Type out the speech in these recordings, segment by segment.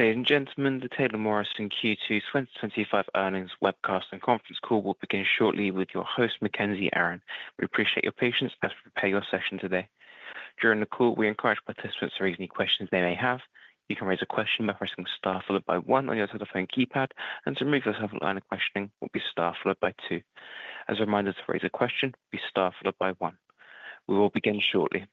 Ladies and gentlemen, the Taylor Morrison Q2 2025 Earnings Webcast and Conference Call will begin shortly with your host Mackenzie Aaron. We appreciate your patience as we prepare your session today. During the call, we encourage participants to raise any questions they may have. You can raise a question by pressing star followed by one on your telephone keypad, and to remove the line of questioning, press star followed by two. As a reminder, to raise a question, press star followed by one. We will begin shortly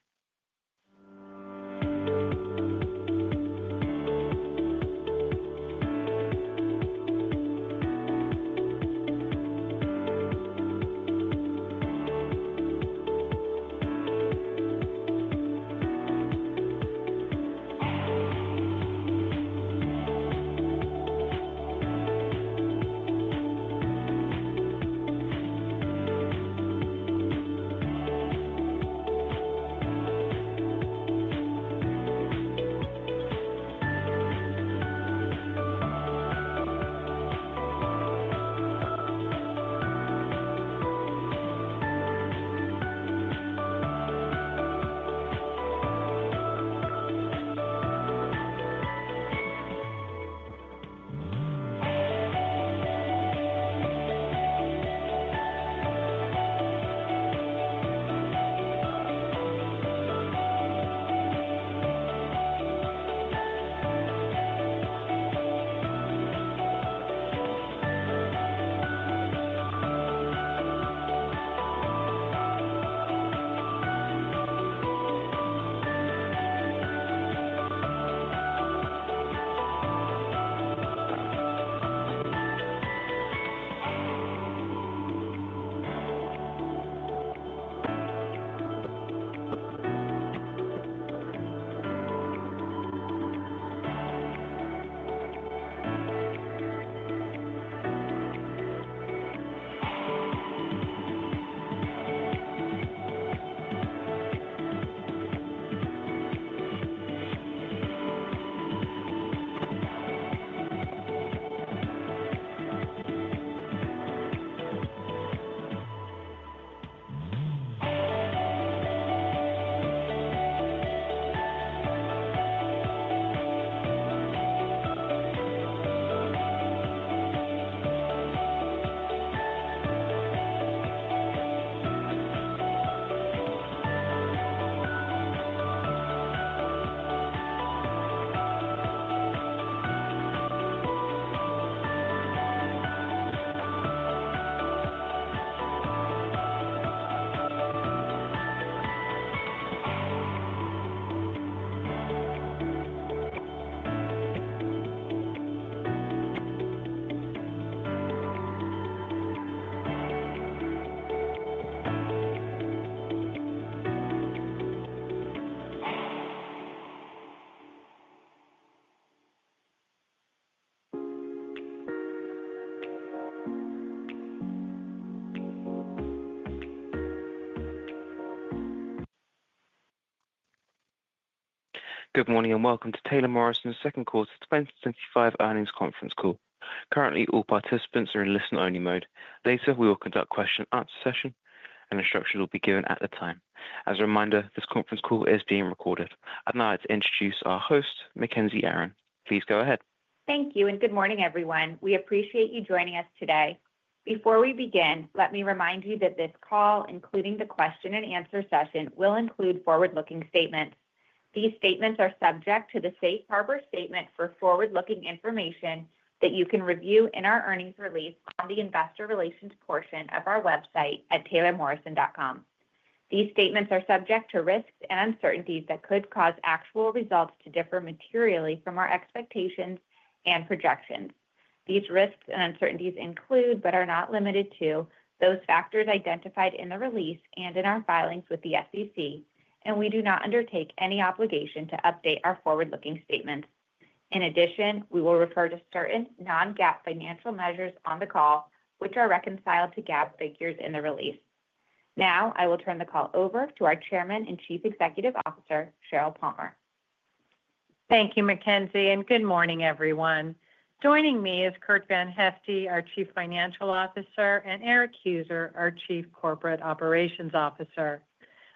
Good morning and welcome to Taylor Morrison Second Quarter 2025 Earnings Conference call. Currently, all participants are in listen-only mode. Later, we will conduct a question and answer session, and instructions will be given at that time. As a reminder, this conference call is being recorded. I'd now like to introduce our host, Mackenzie Aaron. Please go ahead. Thank you and good morning everyone. We appreciate you joining us today. Before we begin, let me remind you that this call, including the question and answer session, will include forward-looking statements. These statements are subject to the safe harbor statement for forward-looking information that you can review in our earnings release on the Investor Relations portion of our website at taylormorrison.com. These statements are subject to risks and uncertainties that could cause actual results to differ materially from our expectations and projections. These risks and uncertainties include, but are not limited to, those factors identified in the release and in our filings with the SEC, and we do not undertake any obligation to update our forward-looking statements. In addition, we will refer to certain non-GAAP financial measures on the call, which are reconciled to GAAP figures in the release. Now I will turn the call over to our Chairman and Chief Executive Officer Sheryl Palmer. Thank you Mackenzie and good morning everyone. Joining me is Curt VanHyfte, our Chief Financial Officer, and Erik Heuser, our Chief Corporate Operations Officer.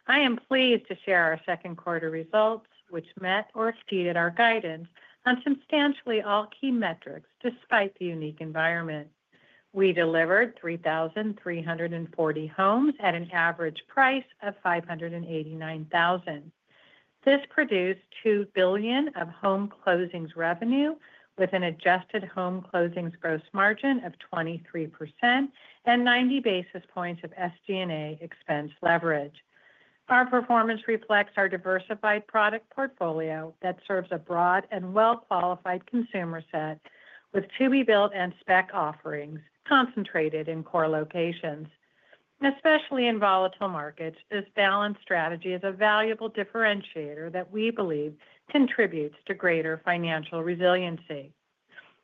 I am pleased to share our second quarter results, which met or exceeded our guidance on substantially all key metrics. Despite the unique environment, we delivered 3,340 homes at an average price of $589,000. This produced $2 billion of home closings revenue with an adjusted home closings gross margin of 23% and 90 basis points of SG&A expense leverage. Our performance reflects our diversified product portfolio that serves a broad and well-qualified consumer set with to-be-built and spec offerings concentrated in core locations, especially in volatile markets. This balanced strategy is a valuable differentiator that we believe contributes to greater financial resiliency.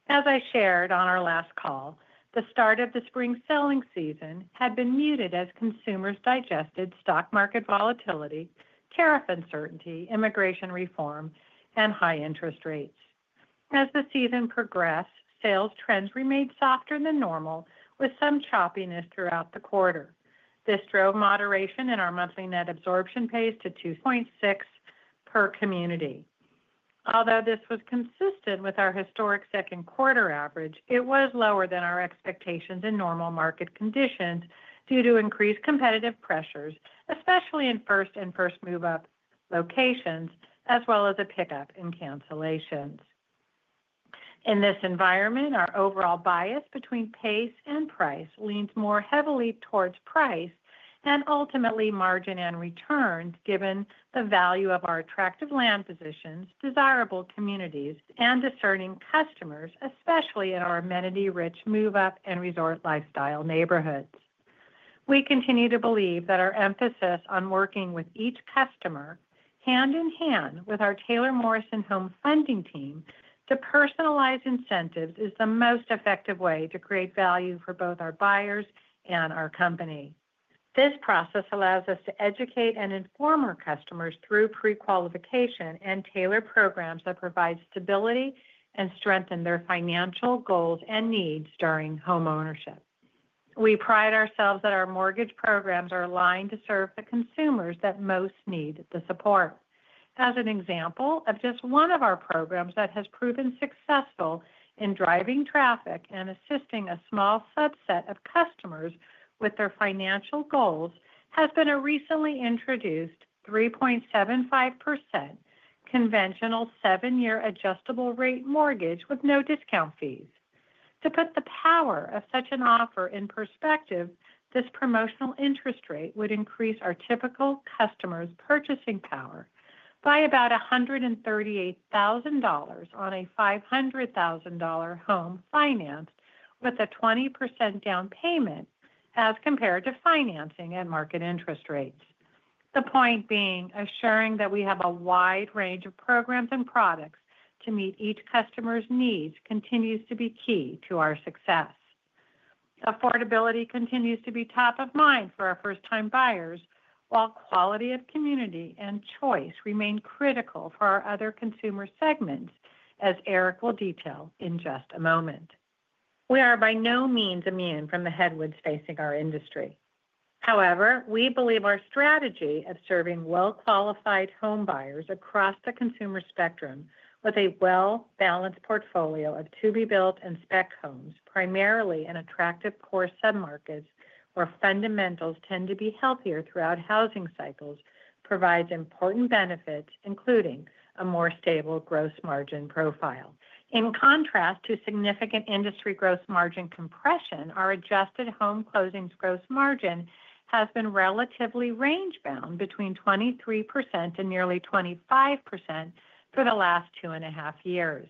As I shared on our last call, the start of the spring selling season had been muted as consumers digested stock market volatility, tariff uncertainty, immigration reform, and high interest rates. As the season progressed, sales trends remained softer than normal with some choppiness throughout the quarter. This drove moderation in our monthly net absorption pace to 2.6 per community. Although this was consistent with our historic second quarter average, it was lower than our expectations in normal market conditions due to increased competitive pressures, especially in first and first move-up locations, as well as a pickup in cancellations. In this environment, our overall bias between pace and price leans more heavily towards price and ultimately margin and return. Given the value of our attractive land positions, desirable communities, and discerning customers, especially in our amenity-rich move-up and resort lifestyle neighborhoods, we continue to believe that our emphasis on working with each customer hand in hand with our Taylor Morrison Home team to personalize incentives is the most effective way to create value for both our buyers and our company. This process allows us to educate and inform our customers through pre-qualification and tailor programs that provide stability and strengthen their financial goals and needs during homeownership. We pride ourselves that our mortgage programs are aligned to serve the consumers that most need the support. As an example of just one of our programs that has proven successful in driving traffic and assisting a small subset of customers with their financial goals has been a recently introduced 3.75% conventional 7-year adjustable-rate mortgage with no discount fees. To put the power of such an offer in perspective, this promotional interest rate would increase our typical customer's purchasing power by about $138,000 on a $500,000 home financed with a 20% down payment as compared to financing at market interest rates. The point being, assuring that we have a wide range of programs and products to meet each customer's needs continues to be key to our success. Affordability continues to be top of mind for our first-time buyers, while quality of community and choice remain critical for our other consumer segments. As Erik will detail in just a moment, we are by no means immune from the headwinds facing our industry. However, we believe our strategy of serving well-qualified home buyers across the consumer spectrum with a well-balanced portfolio of to-be-built and spec homes primarily in attractive core submarkets where fundamentals tend to be healthier throughout housing cycles provides important benefits including a more stable gross margin profile. In contrast to significant industry gross margin compression, our adjusted home closings gross margin has been relatively range bound between 23% and nearly 25% for the last two and a half years.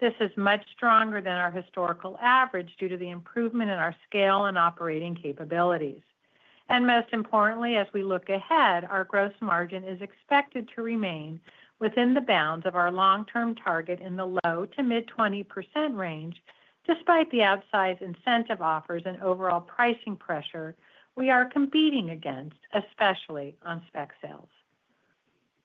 This is much stronger than our historical average due to the improvement in our scale and operating capabilities, and most importantly as we look ahead, our gross margin is expected to remain within the bounds of our long-term target in the low to mid 20% range. Despite the outsized incentive offers and overall pricing pressure we are competing against, especially on spec sales,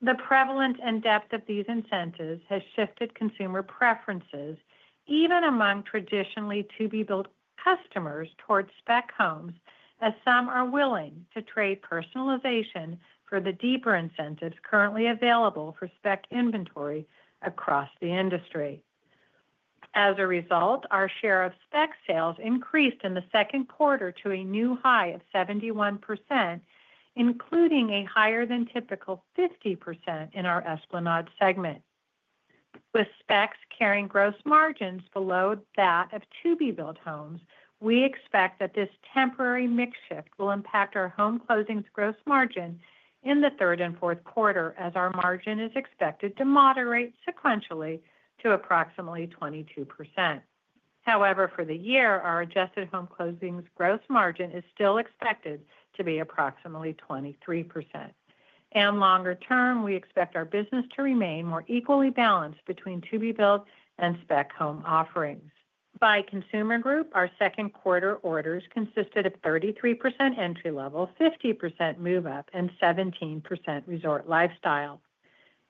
the prevalence and depth of these incentives has shifted consumer preferences even among traditionally to-be-built customers towards spec homes, as some are willing to trade personalization for the deeper incentives currently available for spec inventory across the industry. As a result, our share of spec sales increased in the second quarter to a new high of 71%, including a higher than typical 50% in our Esplanade segment. With specs carrying gross margins below that of to-be-built homes, we expect that this temporary mix shift will impact our home closings gross margin in the third and fourth quarter, as our margin is expected to moderate sequentially to approximately 22%. However, for the year our adjusted home closings gross margin is still expected to be approximately 23%, and longer term we expect our business to remain more equally balanced between to-be-built and spec home offerings. By consumer group, our second quarter orders consisted of 33% entry level, 50% move up, and 17% resort lifestyle.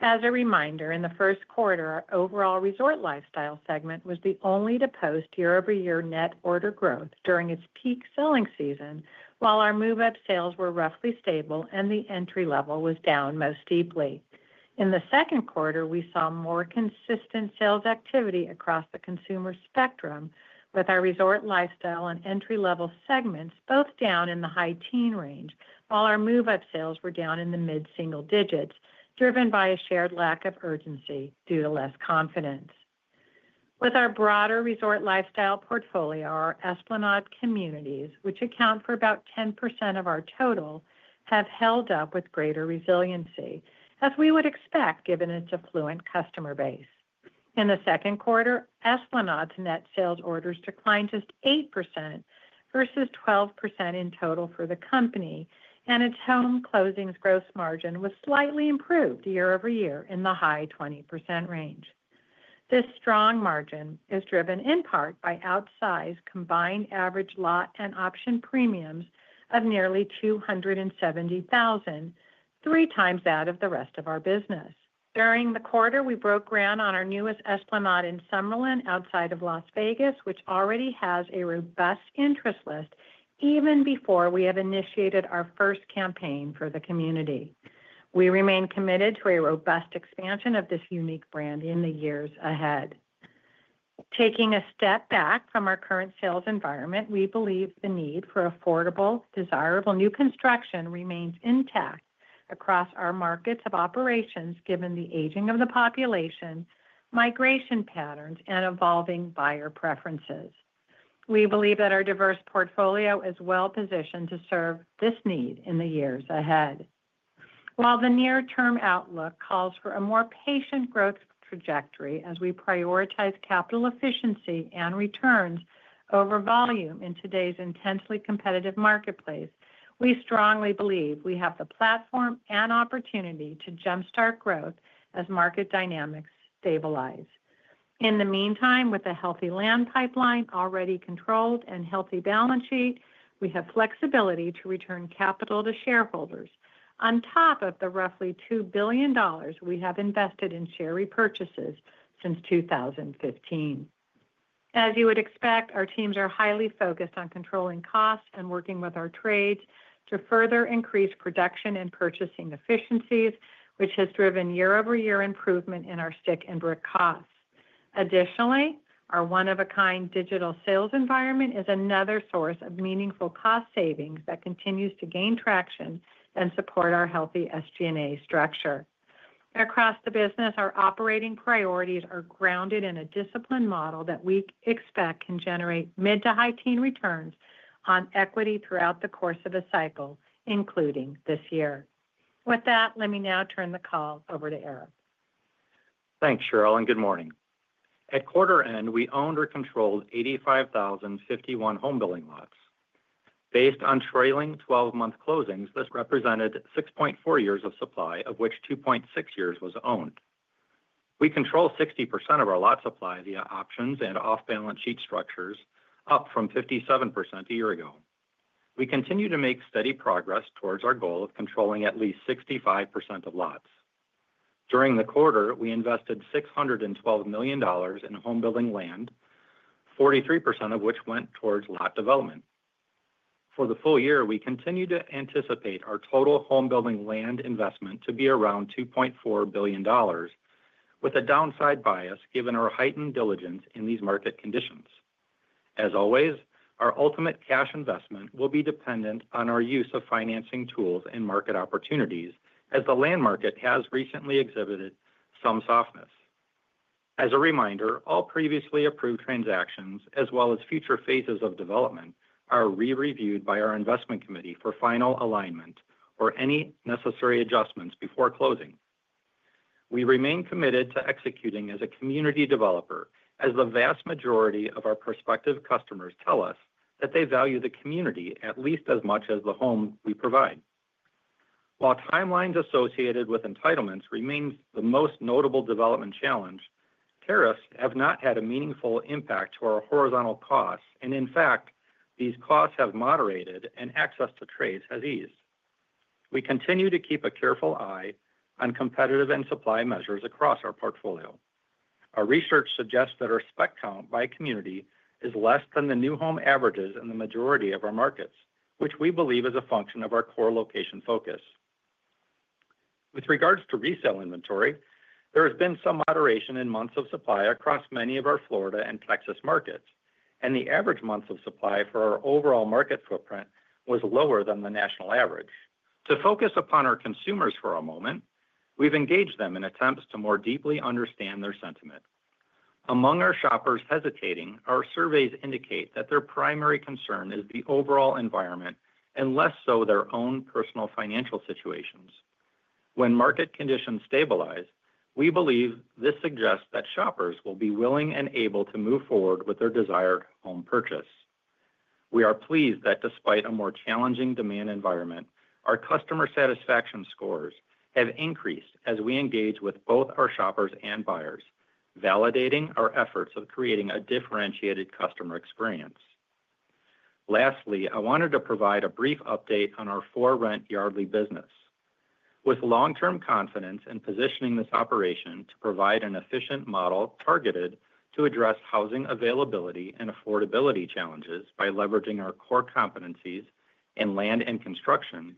As a reminder, in the first quarter our overall resort lifestyle segment was the only to post year-over-year net order growth during its peak selling season, while our move up sales were roughly stable and the entry level was down most deeply. In the second quarter, we saw more consistent sales activity across the consumer spectrum, with our resort lifestyle and entry level segments both down in the high teen range, while our move up sales were down in the mid single digits, driven by a shared lack of urgency due to less confidence with our broader resort lifestyle portfolio. Our Esplanade communities, which account for about 10% of our total, have held up with greater resiliency as we would expect given its affluent customer base. In the second quarter, Esplanade's net sales orders declined just 8% versus 12% in total for the company, and its home closings gross margin was slightly improved year over year in the high 20% range. This strong margin is driven in part by outsized combined average lot and option premiums of nearly $270,000, three times that of the rest of our business. During the quarter we broke ground on our newest Esplanade in Summerlin outside of Las Vegas, which already has a robust interest list. Even before we have initiated our first campaign for the community, we remain committed to a robust expansion of this unique brand in the years ahead. Taking a step back from our current sales environment, we believe the need for affordable, desirable new construction remains intact across our markets of operations. Given the aging of the population, migration patterns, and evolving buyer preferences, we believe that our diverse portfolio is well positioned to serve this need in the years ahead. While the near-term outlook calls for a more patient growth trajectory as we prioritize capital efficiency and returns over volume in today's intensely competitive marketplace, we strongly believe we have the platform and opportunity to jumpstart growth as market dynamics stabilize. In the meantime, with a healthy land pipeline already controlled and healthy balance sheet, we have flexibility to return capital to shareholders on top of the roughly $2 billion we have invested in share repurchases since 2015. As you would expect, our teams are highly focused on controlling costs and working with our trades to further increase production and purchasing efficiencies, which has driven year-over-year improvement in our stick and brick costs. Additionally, our one-of-a-kind digital sales environment is another source of meaningful cost savings that continues to gain traction and support our healthy SG&A structure across the business. Our operating priorities are grounded in a disciplined model that we expect can generate mid to high teen returns on equity throughout the course of a cycle, including this year. With that, let me now turn the call over to Erik. Thanks Sheryl and good morning. At quarter end we owned or controlled 85,051 homebuilding lots based on trailing twelve month closings. This represented 6.4 years of supply, of which 2.6 years was owned. We control 60% of our lot supply via options and off-balance sheet structures, up from 57% a year ago. We continue to make steady progress towards our goal of controlling at least 65% of lots. During the quarter we invested $612 million in homebuilding land, 43% of which went towards lot development for the full year. We continue to anticipate our total homebuilding land investment to be around $2.4 billion with a downside bias given our heightened diligence in these market conditions. As always, our ultimate cash investment will be dependent on our use of financing tools and market opportunities as the land market has recently exhibited some softness. As a reminder, all previously approved transactions as well as future phases of development are re-reviewed by our investment committee for final alignment or any necessary adjustments before closing. We remain committed to executing as a community developer as the vast majority of our prospective customers tell us that they value the community at least as much as the home we provide. While timelines associated with entitlements remain the most notable development challenge, tariffs have not had a meaningful impact to our horizontal costs and in fact these costs have moderated and access to trades has eased. We continue to keep a careful eye on competitive and supply measures across our portfolio. Our research suggests that our spec count by community is less than the new home averages in the majority of our markets, which we believe is a function of our core location focus with regards to resale inventory. There has been some moderation in months of supply across many of our Florida and Texas markets and the average months of supply for our overall market footprint was lower than the national average. To focus upon our consumers for a moment, we've engaged them in attempts to more deeply understand their sentiment among our shoppers hesitating. Our surveys indicate that their primary concern is the overall environment and less so their own personal financial situations. When market conditions stabilize, we believe this suggests that shoppers will be willing and able to move forward with their desired home purchase. We are pleased that despite a more challenging demand environment, our customer satisfaction scores have increased as we engage with both our shoppers and buyers, validating our efforts of creating a differentiated customer experience. Lastly, I wanted to provide a brief update on our for-rent Yardly business with long-term confidence in positioning this operation to provide an efficient model targeted to address housing availability and affordability challenges. By leveraging our core competencies in land and construction,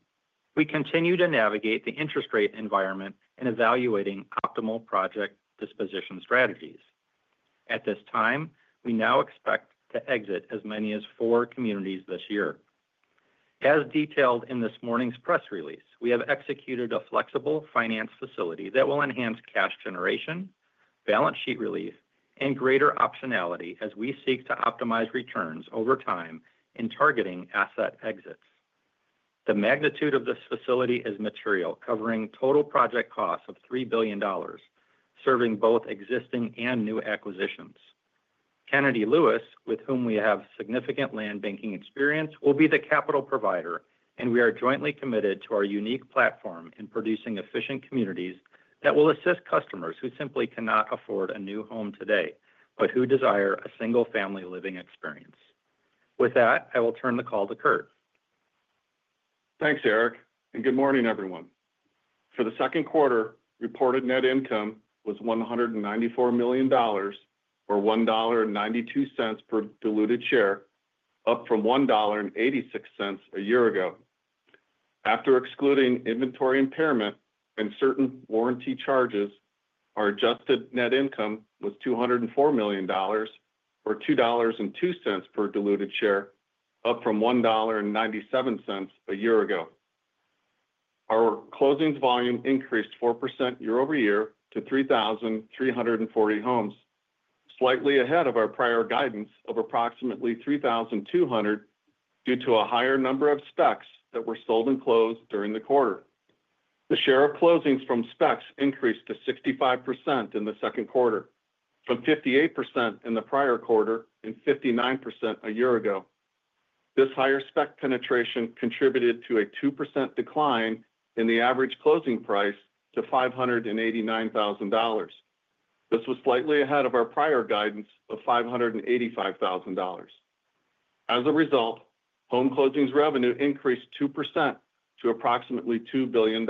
we continue to navigate the interest rate environment in evaluating optimal project disposition strategies at this time. We now expect to exit as many as four communities this year. As detailed in this morning's press release, we have executed a flexible finance facility that will enhance cash generation, balance sheet relief, and greater optionality as we seek to optimize returns over time and in targeting asset exits. The magnitude of this facility is material, covering total project costs of $3 billion, serving both existing and new acquisitions. Kennedy Lewis, with whom we have significant land banking experience, will be the capital provider and we are jointly committed to our unique platform in producing efficient communities that will assist customers who simply cannot afford a new home today but who desire a single-family living experience. With that, I will turn the call to Curt. Thanks, Erik, and good morning, everyone. For the second quarter, reported net income was $194 million, or $1.92 per diluted share, up from $1.86 a year ago. After excluding inventory impairment and certain warranty charges, our adjusted net income was $204 million, or $2.02 per diluted share, up from $1.97 a year ago. Our closings volume increased 4% year-over-year to 3,340 homes, slightly ahead of our prior guidance of approximately 3,200 due to a higher number of specs that were sold and closed during the quarter. The share of closings from specs increased to 65% in the second quarter from 58% in the prior quarter and 59% a year ago. This higher spec penetration contributed to a 2% decline in the average closing price to $589,000. This was slightly ahead of our prior guidance of $585,000. As a result, home closings revenue increased 2% to approximately $2 billion.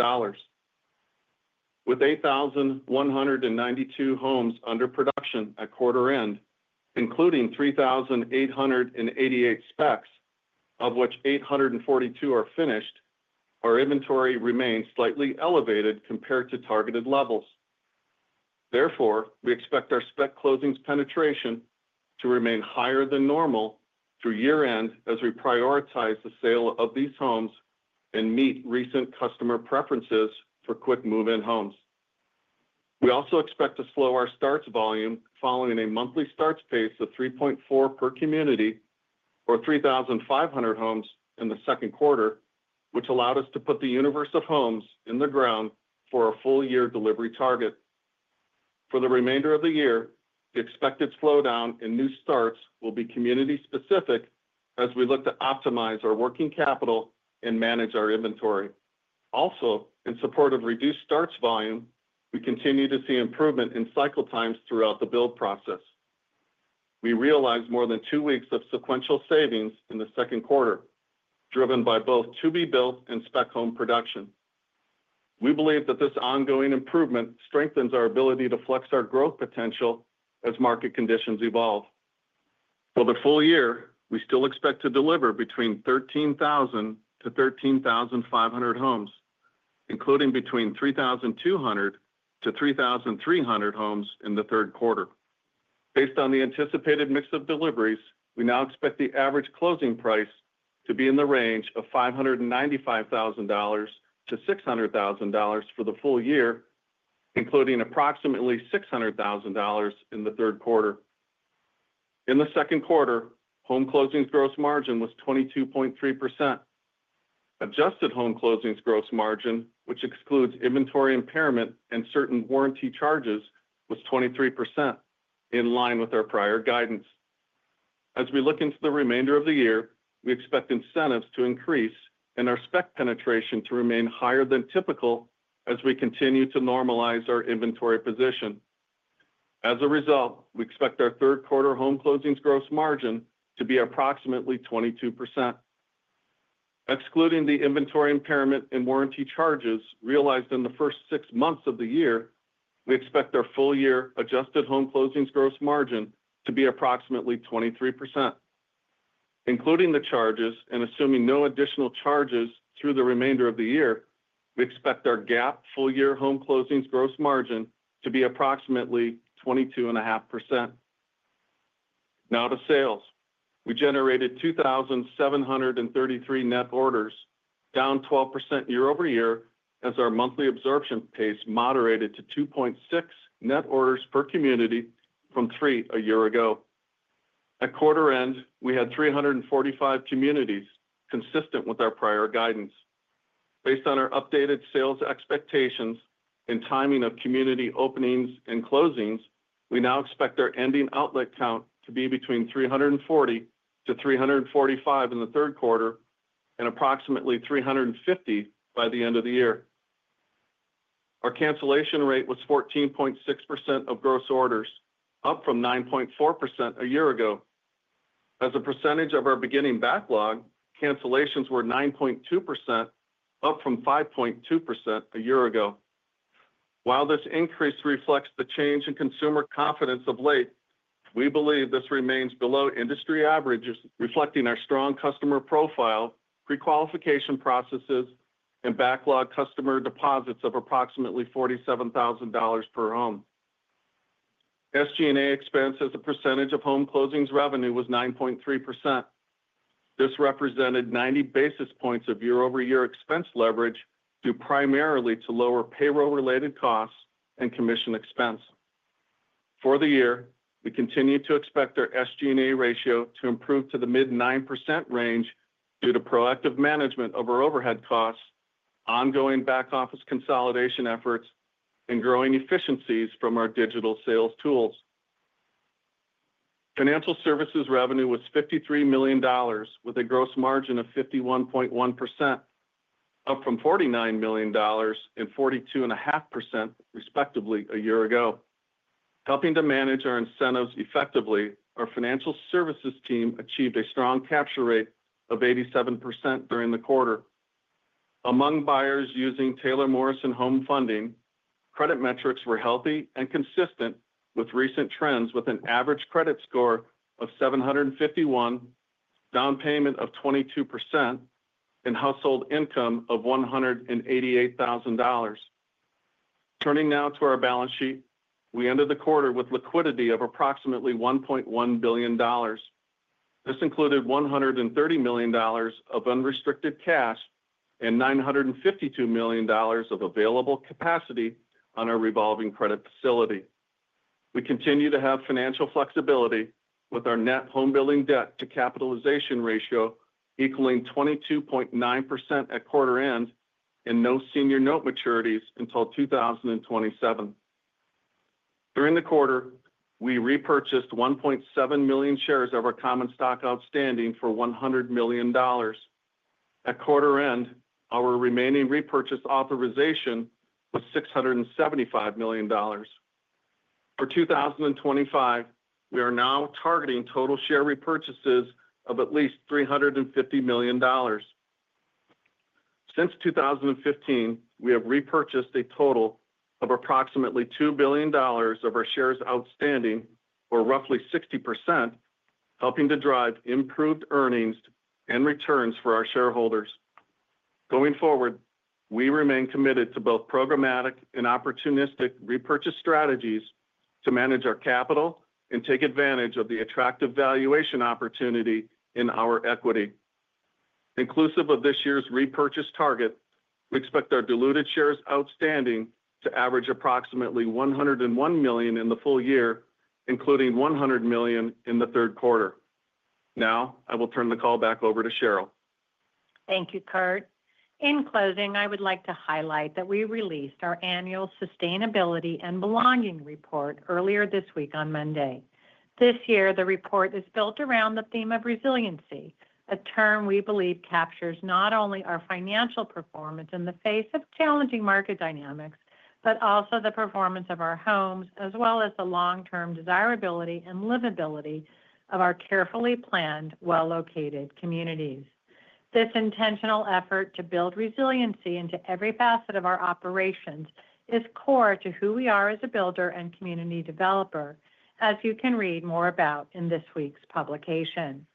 With 8,192 homes under production at quarter end, including 3,888 specs, of which 842 are finished, our inventory remains slightly elevated compared to targeted levels. Therefore, we expect our spec closings penetration to remain higher than normal through year end as we prioritize the sale of these homes and meet recent customer preferences for quick move-in homes. We also expect to slow our starts volume following a monthly starts pace of 3.4 per community, or 3,500 homes in the second quarter, which allowed us to put the universe of homes in the ground for a full year delivery target for the remainder of the year. The expected slowdown in new starts will be community specific as we look to optimize our working capital and manage our inventory. Also in support of reduced starts volume, we continue to see improvement in cycle times throughout the build process. We realized more than two weeks of sequential savings in the second quarter driven by both to-be-built and spec home production. We believe that this ongoing improvement strengthens our ability to flex our growth potential as market conditions evolve. For the full year, we still expect to deliver between 13,000 - 13,500 homes, including between 3,200 - 3,300 homes in the third quarter. Based on the anticipated mix of deliveries, we now expect the average closing price to be in the range of $595,000 to $600,000 for the full year, including approximately $600,000 in the third quarter. In the second quarter, home closings gross margin was 22.3%. Adjusted home closings gross margin, which excludes inventory impairment and certain warranty charges, was 23%, in line with our prior guidance. As we look into the remainder of the year, we expect incentives to increase and our spec penetration to remain higher than typical as we continue to normalize our inventory position. As a result, we expect our third quarter home closings gross margin to be approximately 22%, excluding the inventory impairment and warranty charges realized in the first six months of the year. We expect our full year adjusted home closings gross margin to be approximately 23%, including the charges and assuming no additional charges through the remainder of the year. We expect our GAAP full year home closings gross margin to be approximately 22.5%. Now to sales, we generated 2,733 net orders, down 12% year-over-year as our monthly absorption pace moderated to 2.6 net orders per community from 3 a year ago. At quarter end, we had 345 communities, consistent with our prior guidance. Based on our updated sales expectations and timing of community openings and closings, we now expect the ending outlet count to be between 340 - 345 in the third quarter and approximately 350 by the end of the year. Our cancellation rate was 14.6% of gross orders, up from 9.4% a year ago. As a percentage of our beginning backlog, cancellations were 9.2%, up from 5.2% a year ago. While this increase reflects the change in consumer confidence of late, we believe this remains below industry average, reflecting our strong customer profile, pre-qualification processes, and backlog. Customer deposits of approximately $47,000 per home. SG&A expense as a percentage of home closings revenue was 9.3%. This represented 90 basis points of year-over-year expense leverage due primarily to lower payroll related costs and commission expense for the year. We continue to expect our SG&A ratio to improve to the mid 9% range due to proactive management of our overhead costs, ongoing back office consolidation efforts, and growing efficiencies from our digital sales tools. Financial services revenue was $53 million with a gross margin of 51.1%, up from $49 million and 42.5%, respectively, a year ago, helping to manage our incentives effectively. Our financial services team achieved a strong capture rate of 87% during the quarter among buyers using Taylor Morrison Home Funding. Credit metrics were healthy and consistent with recent trends, with an average credit score of 751, down payment of 22%, and household income of $188,000. Turning now to our balance sheet, we ended the quarter with liquidity of approximately $1.1 billion. This included $130 million of unrestricted cash and $952 million of available capacity on our revolving credit facility. We continue to have financial flexibility with our net homebuilding debt to capitalization ratio equaling 22.9% at quarter end and no senior note maturities until 2027. During the quarter, we repurchased 1.7 million shares of our common stock outstanding for $100 million at quarter end. Our remaining repurchase authorization was $675 million for 2025. We are now targeting total share repurchases of at least $350 million. Since 2015, we have repurchased a total of approximately $2 billion of our shares outstanding, or roughly 60%, helping to drive improved earnings and returns for our shareholders going forward. We remain committed to both programmatic and opportunistic repurchase strategies to manage our capital and take advantage of the attractive valuation opportunity in our equity. Inclusive of this year's repurchase target, we expect our diluted shares outstanding to average approximately 101 million in the full year, including 100 million in the third quarter. Now I will turn the call back over to Sheryl. Thank you, Curt. In closing, I would like to highlight that we released our annual sustainability and Belonging report earlier this week on Monday this year. The report is built around the theme of resiliency, a term we believe captures not only our financial performance in the face of challenging market dynamics, but also the performance of our homes as well as the long-term desirability and livability of our carefully planned, well-located communities. This intentional effort to build resiliency into every facet of our operations is core to who we are as a builder and community developer. As you can read more about in this week's publication,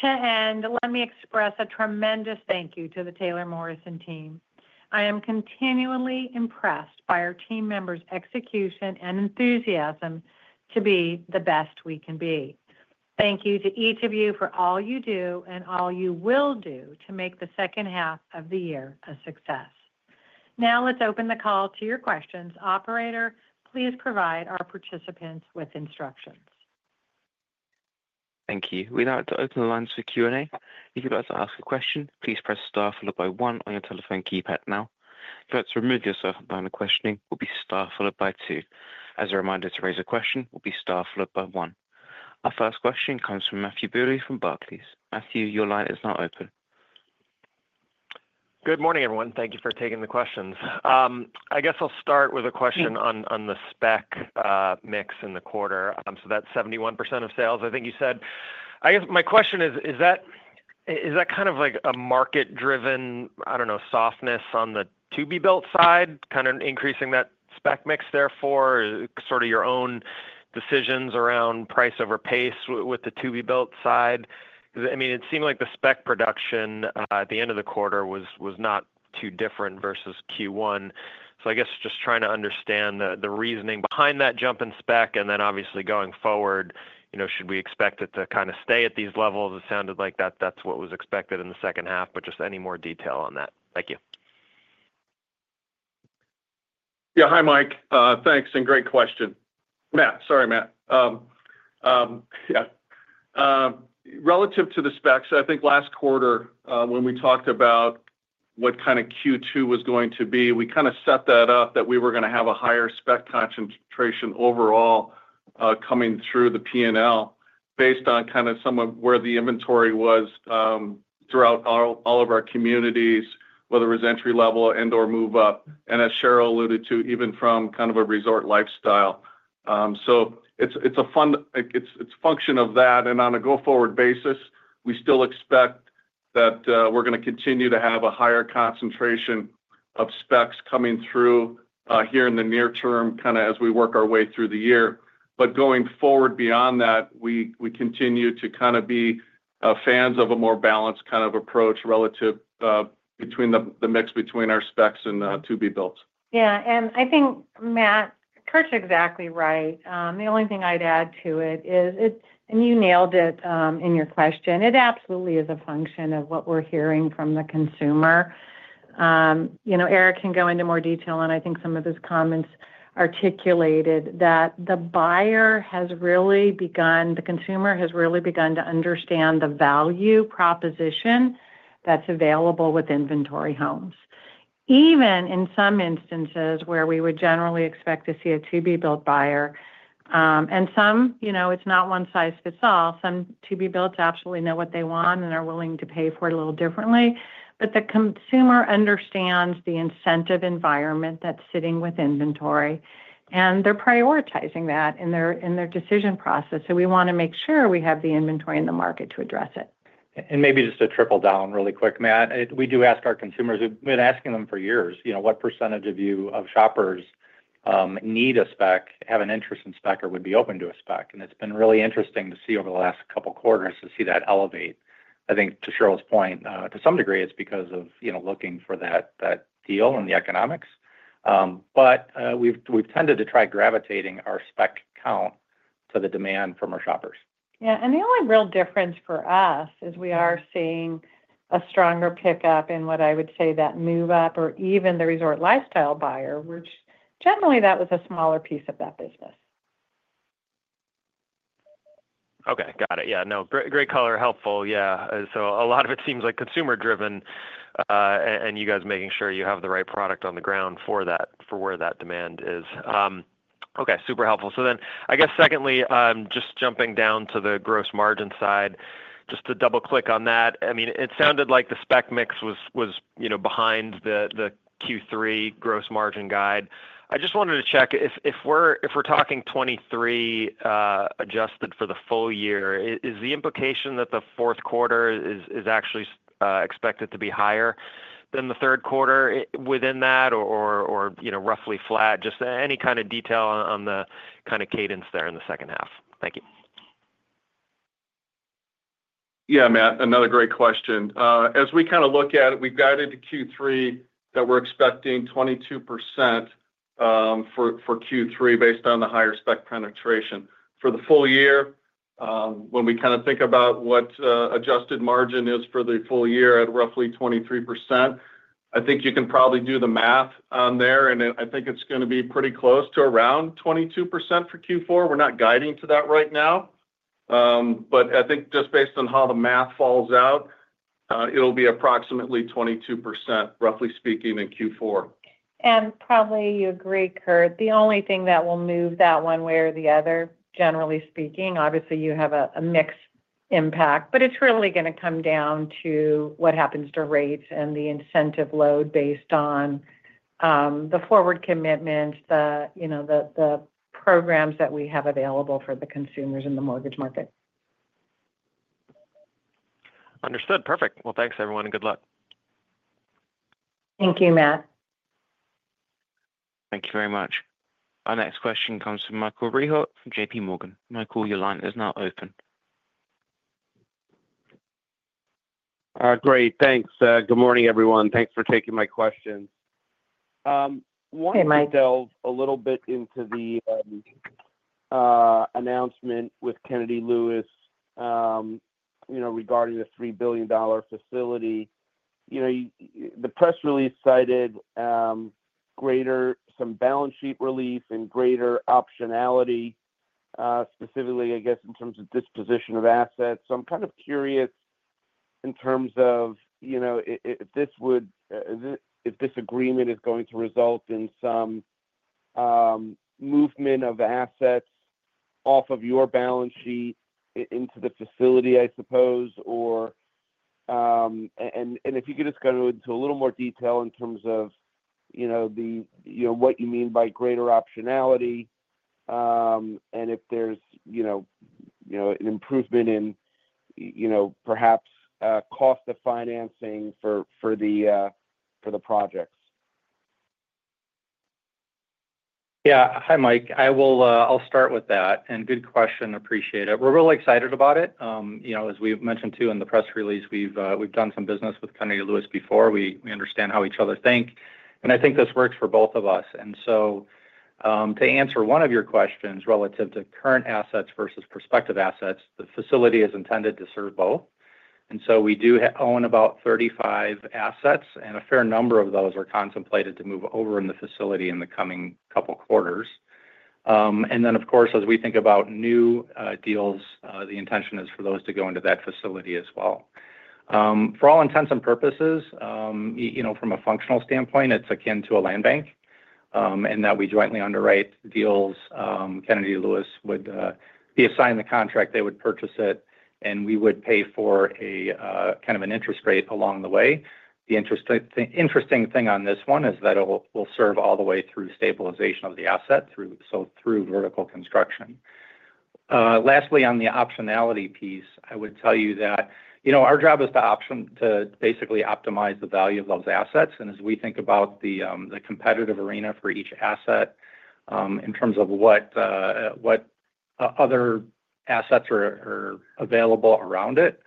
to end, let me express a tremendous thank you to the Taylor Morrison team. I am continually impressed by our team members' execution and enthusiasm to be the best we can be. Thank you to each of you for all you do and all you will do to make the second half of the year a success. Now let's open the call to your questions. Operator, please provide our participants with instructions. Thank you. We'd like to open the lines for Q and A. If you'd like to ask a question, please press star followed by one on your telephone keypad. To remove yourself from the line of questioning, press star followed by two. As a reminder, to raise a question, press star followed by one. Our first question comes from Matthew Bouley from Barclays. Matthew, your line is now open. Good morning, everyone. Thank you for taking the questions. I guess I'll start with a question on the spec mix in the quarter. That's 71% of sales I think you said. My question is that kind of like a market driven, I don't know, softness on the to-be-built side kind of increasing that spec mix. Therefore, sort of your own decisions around price over pace with the to-be-built side. It seemed like the spec production at the end of the quarter was not too different versus Q1. I'm just trying to understand the reasoning behind that jump in spec, and then obviously going forward should we expect it to kind of stay at these levels? It sounded like that's what was expected in the second half. Just any more detail on that? Thank you. Yeah, hi Mike. Thanks and great question, Matt. Sorry Matt. Yeah, relative to the specs, I think last quarter when we talked about what kind of Q2 was going to be, we kind of set that up that we were going to have a higher spec concentration overall coming through the P&L based on kind of some of where the inventory was throughout all of our communities, whether it was entry level and, or move up and as Sheryl alluded to even from kind of a resort lifestyle. It's a function of that and on a go forward basis we still expect that we're going to continue to have a higher concentration of specs coming through here in the near term as we work our way through the year. Going forward beyond that, we continue to kind of be fans of a more balanced kind of approach relative between the mix between our specs and to-be-built. Yeah, and I think Matt Curt's exactly right. The only thing I'd add to it is it absolutely is a function of what we're hearing from the consumer. You know, Erik can go into more detail, and I think some of his comments articulated that the buyer has really begun, the consumer has really begun to understand the value proposition that's available with inventory homes, even in some instances where we would generally expect to see a to-be-built buyer. It's not one size fits all; some to-be-built buyers absolutely know what they want and are willing to pay for it a little differently. The consumer understands the incentive environment that's sitting with inventory, and they're prioritizing that in their decision process. We want to make sure we have the inventory in the market to. Address it and maybe just to trickle down really quick. Matt, we do ask our consumers, we've been asking them for years, you know, what percent of you of shoppers need a spec, have an interest in spec or would be open to a spec. It's been really interesting to see over the last couple quarters to see that elevate. I think to Sheryl's point to some degree it's because of, you know, looking for that deal and the economics. We've tended to try gravitating our spec count to the demand from our shoppers. The only real difference for us is we are seeing a stronger pickup in what I would say that move up or even the resort lifestyle buyer, which generally was a smaller piece of that business. Okay, got it. Yeah, no, great. Color helpful. A lot of it seems like consumer driven, and you guys making sure you have the right product on the ground for where that demand is. Okay, super helpful. I guess secondly, just jumping down to the gross margin side just to double click on that. It sounded like the spec mix was behind the Q3 gross margin guide. I just wanted to check if we're talking 23 adjusted for the full year, is the implication that the fourth quarter is actually expected to be higher than the third quarter within that or, you know, roughly flat? Just any kind of detail on the kind of cadence there in the second half? Thank you. Yeah. Matt, another great question. As we kind of look at it, we've guided to Q3 that we're expecting 22% for Q3 based on the higher spec penetration for the full year. When we kind of think about what adjusted margin is for the full year at roughly 23%, I think you can probably do the math on there. I think it's going to be pretty close to around 22% for Q4. We're not guiding to that right now, but I think just based on how the math falls out, it'll be approximately 22%, roughly speaking, in Q4. You probably agree, Curt, the only thing that will move that one way or the other, generally speaking, obviously you have a mix impact, but it's really going to come down to what happens to rates and the incentive load based on the forward commitments, the programs that we have available for the consumers in the mortgage market. Understood. Perfect. Thank you everyone and good luck. Thank you, Matt. Thank you very much. Our next question comes from Michael Rehaut from JPMorgan. Michael, your line is now open. Great, thanks. Good morning, everyone. Thanks for taking my questions. Delve a little bit into the announcement with Kennedy Lewis regarding the $3 billion facility. The press release cited some balance sheet relief and greater optionality, specifically, I guess, in terms of disposition of assets. I'm kind of curious if this agreement is going to result in some movement of assets off of your balance sheet into the facility, or if you could just go into a little more detail in terms of what you mean by greater optionality and if there's an improvement in perhaps cost of financing for the projects. Yeah. Hi, Mike. I'll start with that. Good question. Appreciate it. We're really excited about it. As we've mentioned in the press release, we've done some business with Kennedy Lewis before. We understand how each other think and I think this works for both of us. To answer one of your questions, relative to current assets versus prospective assets, the facility is intended to serve both. We do own about 35 assets and a fair number of those are contemplated to move over in the facility in the coming couple quarters. Of course, as we think about new deals, the intention is for those to go into that facility as well. For all intents and purposes, from a function standpoint, it's akin to a land bank in that we jointly underwrite deals. Kennedy Lewis would be assigned the contract, they would purchase it and we would pay for a kind of an interest rate along the way. The interesting thing on this one is that it will serve all the way through stabilization of the asset through vertical construction. Lastly, on the optionality piece, I would tell you that our job is to basically optimize the value of those assets as we think about the competitors arena for each asset in terms of what other assets are available around it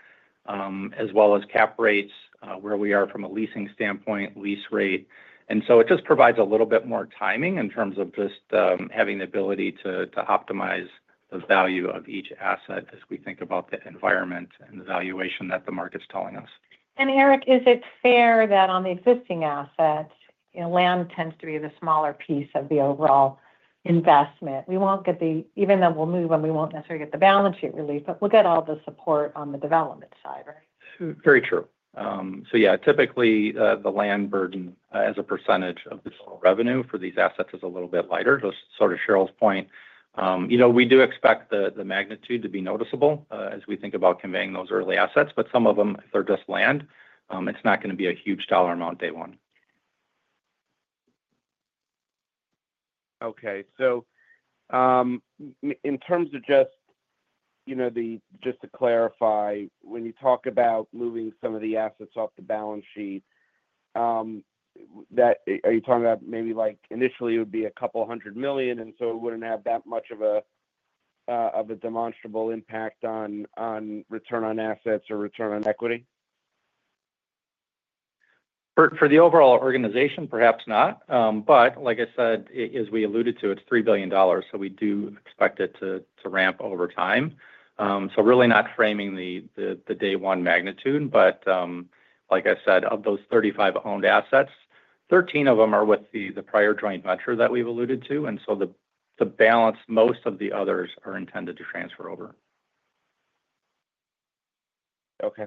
as well as cap rates, where we are from a leasing standpoint, lease rate. It just provides a little bit more timing in terms of having the ability to optimize the value of each asset as we think about the environment and the valuation that the market's telling us. Erik, is it fair that on the existing asset, you know, land tends to be the smaller piece of the overall investment? We won't get the, even though we'll move and we won't necessarily get the balance sheet relief, but we'll get all the support on the development side. Right, very true. Typically, the land burden as a percentage of the total revenue for these assets is a little bit lighter. To Sheryl's point, we do expect the magnitude to be noticeable as we think about conveying those early assets, but some of them, they're just landing. It's not going to be a huge dollar amount. Day one. Okay, in terms of just, you know, just to clarify, when you talk about moving some of the assets off the balance sheet, are you talking about maybe like initially it would be a couple hundred million and so it wouldn't have that much of a demonstrable impact on return on assets or return on equity. For the overall organization, perhaps not. Like I said, as we alluded to, it's $3 billion, so we do expect it to ramp over time. Really not framing the day one magnitude. Like I said, of those 35 owned assets, 13 of them are with the prior joint venture that we've alluded to, and the balance, most of the others are intended to transfer over. Okay,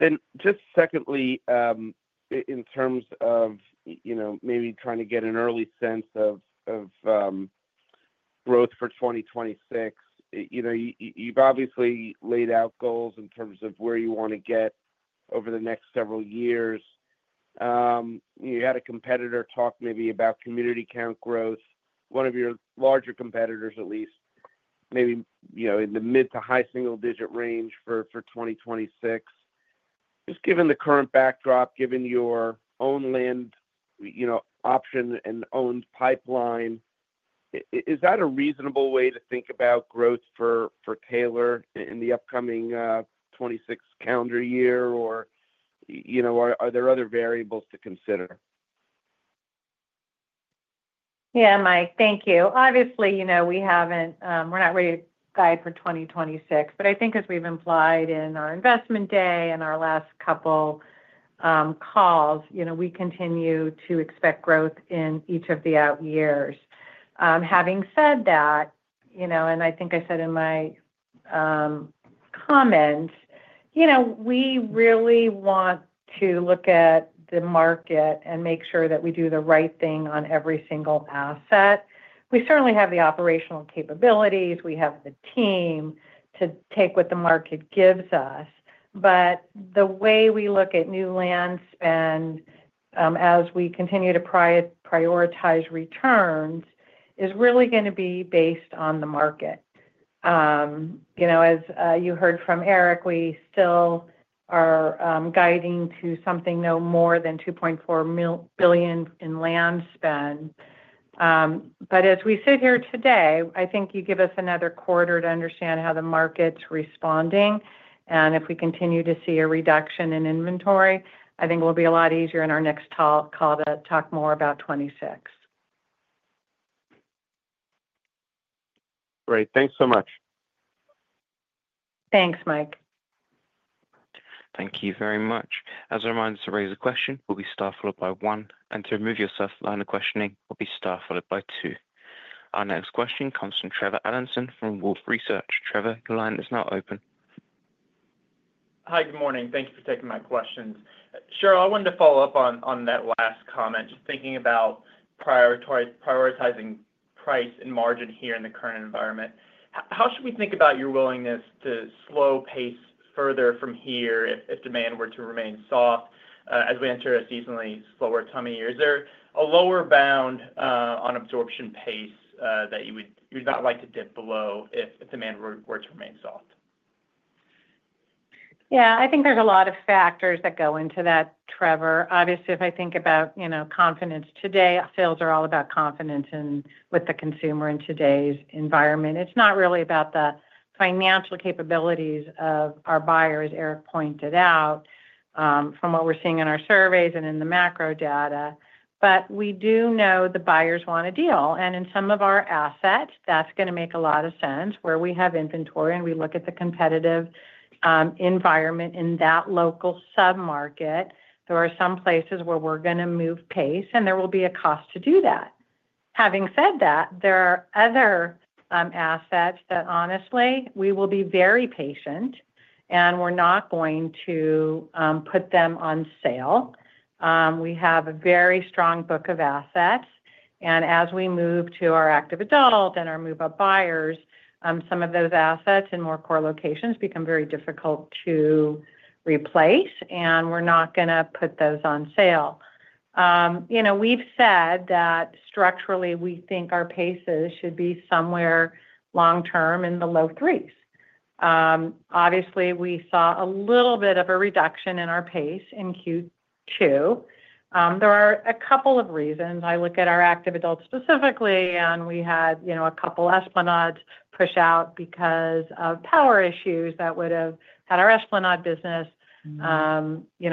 then just secondly, in terms of maybe trying to get an early sense of growth for 2026, you've obviously laid out goals in terms of where you want to get over the next several years. You had a competitor talk maybe about community count growth, one of your larger competitors at least maybe in the mid to high single digit range for 2026. Just given the current backdrop, given your own land option and owned pipeline, is that a reasonable way to think about growth for Taylor in the upcoming 2026 calendar year, or are there other variables to consider? Yeah, Mike, thank you. Obviously, you know, we have not, we are not ready to guide for 2026, but I think as we have implied in our investment day and our last couple calls, you know, we continue to expect growth in each of the out years. Having said that, you know, and I think I said in my comments, you know, we really want to look at the market and make sure that we do the right thing on every single asset. We certainly have the operational capabilities, we have the team to take what the market gives us. The way we look at new land spend as we continue to prioritize returns is really going to be based on the market. You know, as you heard from Erik, we still are guiding to something no more than $2.4 billion in land spend. As we sit here today, I think you give us another quarter to understand how the market's responding. If we continue to see a reduction in inventory, I think it will be a lot easier in our next call to talk more about 2026. Great, thanks so much. Thanks, Mike. Thank you very much. As a reminder, to raise a question, please press star followed by one, and to remove yourself from the line of questioning, press star followed by two. Our next question comes from Trevor Allinson from Wolfe Research. Trevor, your line is now open. Hi, good morning. Thank you for taking my questions. Sheryl, I wanted to follow up on that last comment. Thinking about prioritizing price and margin here in the current environment, how should we think about your willingness to slow pace further from here if demand were to remain soft? As we enter a seasonally slower coming year, is there a lower bound on absorption pace that you would not like to dip below if demand were to remain soft? Yeah, I think there's a lot of factors that go into that, Trevor. Obviously, if I think about confidence today, sales are all about confidence. With the consumer in today's environment, it's not really about the financial capabilities of our buyers. Erik pointed out from what we're seeing in our surveys and in the macro data, but we do know the buyers want a deal and in some of our assets that's going to make a lot of sense. Where we have inventory and we look at the competitive environment in that local submarket, there are some places where we're going to move pace and there will be a cost to do that. Having said that, there are other assets that honestly we will be very patient and we're not going to put them on sale. We have a very strong book of assets and as we move to our active adult and our move up buyers, some of those assets in more core locations become very difficult to replace and we're not going to put those on sale. We've said that structurally we think our paces should be somewhere long term in the low three. Obviously, we saw a little bit of a reduction in our pace in Q2. There are a couple of reasons. I look at our active adults specifically and we had a couple Esplanades push out because of power issues that would have had our Esplanade business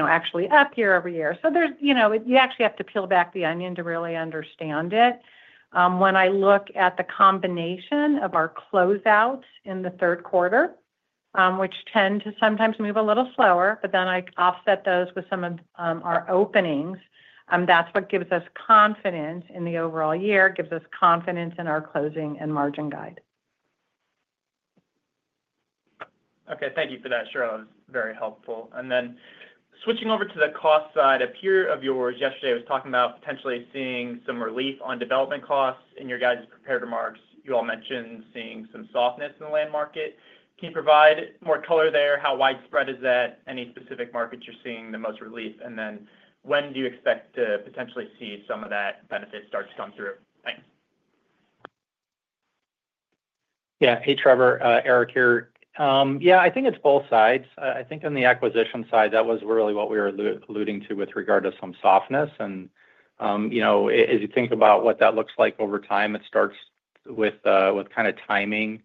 actually up year over year. You actually have to peel back the onion to really understand it. When I look at the combination of our closeouts in the third quarter, which tend to sometimes move a little slower, I offset those with some of our openings. That's what gives us confidence in the overall year, gives us confidence in our closing and margin guide. Okay, thank you for that Sheryl. That was very helpful. Switching over to the cost side, a peer of yours yesterday was talking about potentially seeing some relief on development costs. In your prepared remarks, you all mentioned seeing some softness in the land market. Can you provide more color there? How widespread is that? Any specific markets you're seeing the most relief, and when do you expect to potentially see some of that benefit start to come through? Thanks. Yeah. Hey, Trevor, Erik here. I think it's both sides. I think on the acquisition side that was really what we were alluding to with regard to some softness. As you think about what that looks like over time, it starts with kind of timing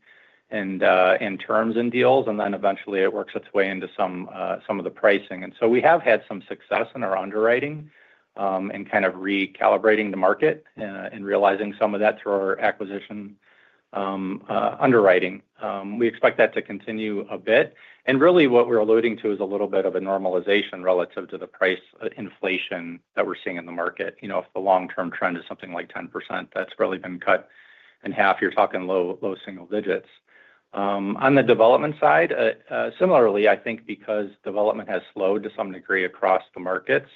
and terms and deals, and then eventually it works its way into some of the pricing. We have had some success in our underwriting and kind of recalibrating the market and realizing some of that through our acquisition underwriting. We expect that to continue a bit. What we're alluding to is a little bit of a normalization relative to the price inflation that we're seeing in the market. If the long term trend is something like 10% that's really been cut in half, you're talking low, low single digits on the development side. Similarly, I think because development has slowed to some degree across the markets,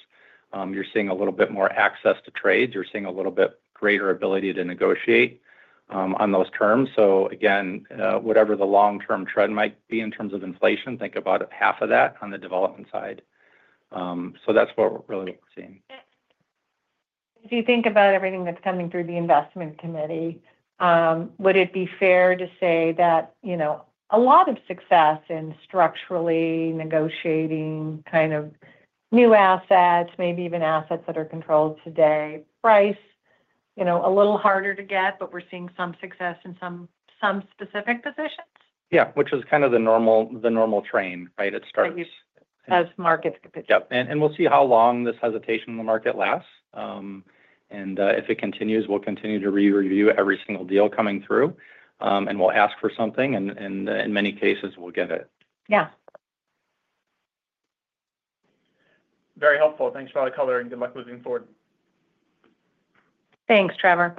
you're seeing a little bit more access to trades, you're seeing a little bit greater ability to negotiate on those terms. Whatever the long term trend might be in terms of inflation, think about half of that on the development side. That's what we're really seeing. If you think about everything that's coming through the investment committee, would it be fair to say that a lot of success in structurally negotiating kind of new assets, maybe even assets that are controlled today, price a little harder to get, but we're seeing some success in some specific positions. Yeah. Which is kind of the normal, the normal train. It starts as markets. We'll see how long this hesitation in the market lasts. If it continues, we'll continue to review every single deal coming through, and we'll ask for something, and in many cases we'll get it. Yeah. Very helpful. Thanks for all the color and good luck moving forward. Thanks, Trevor.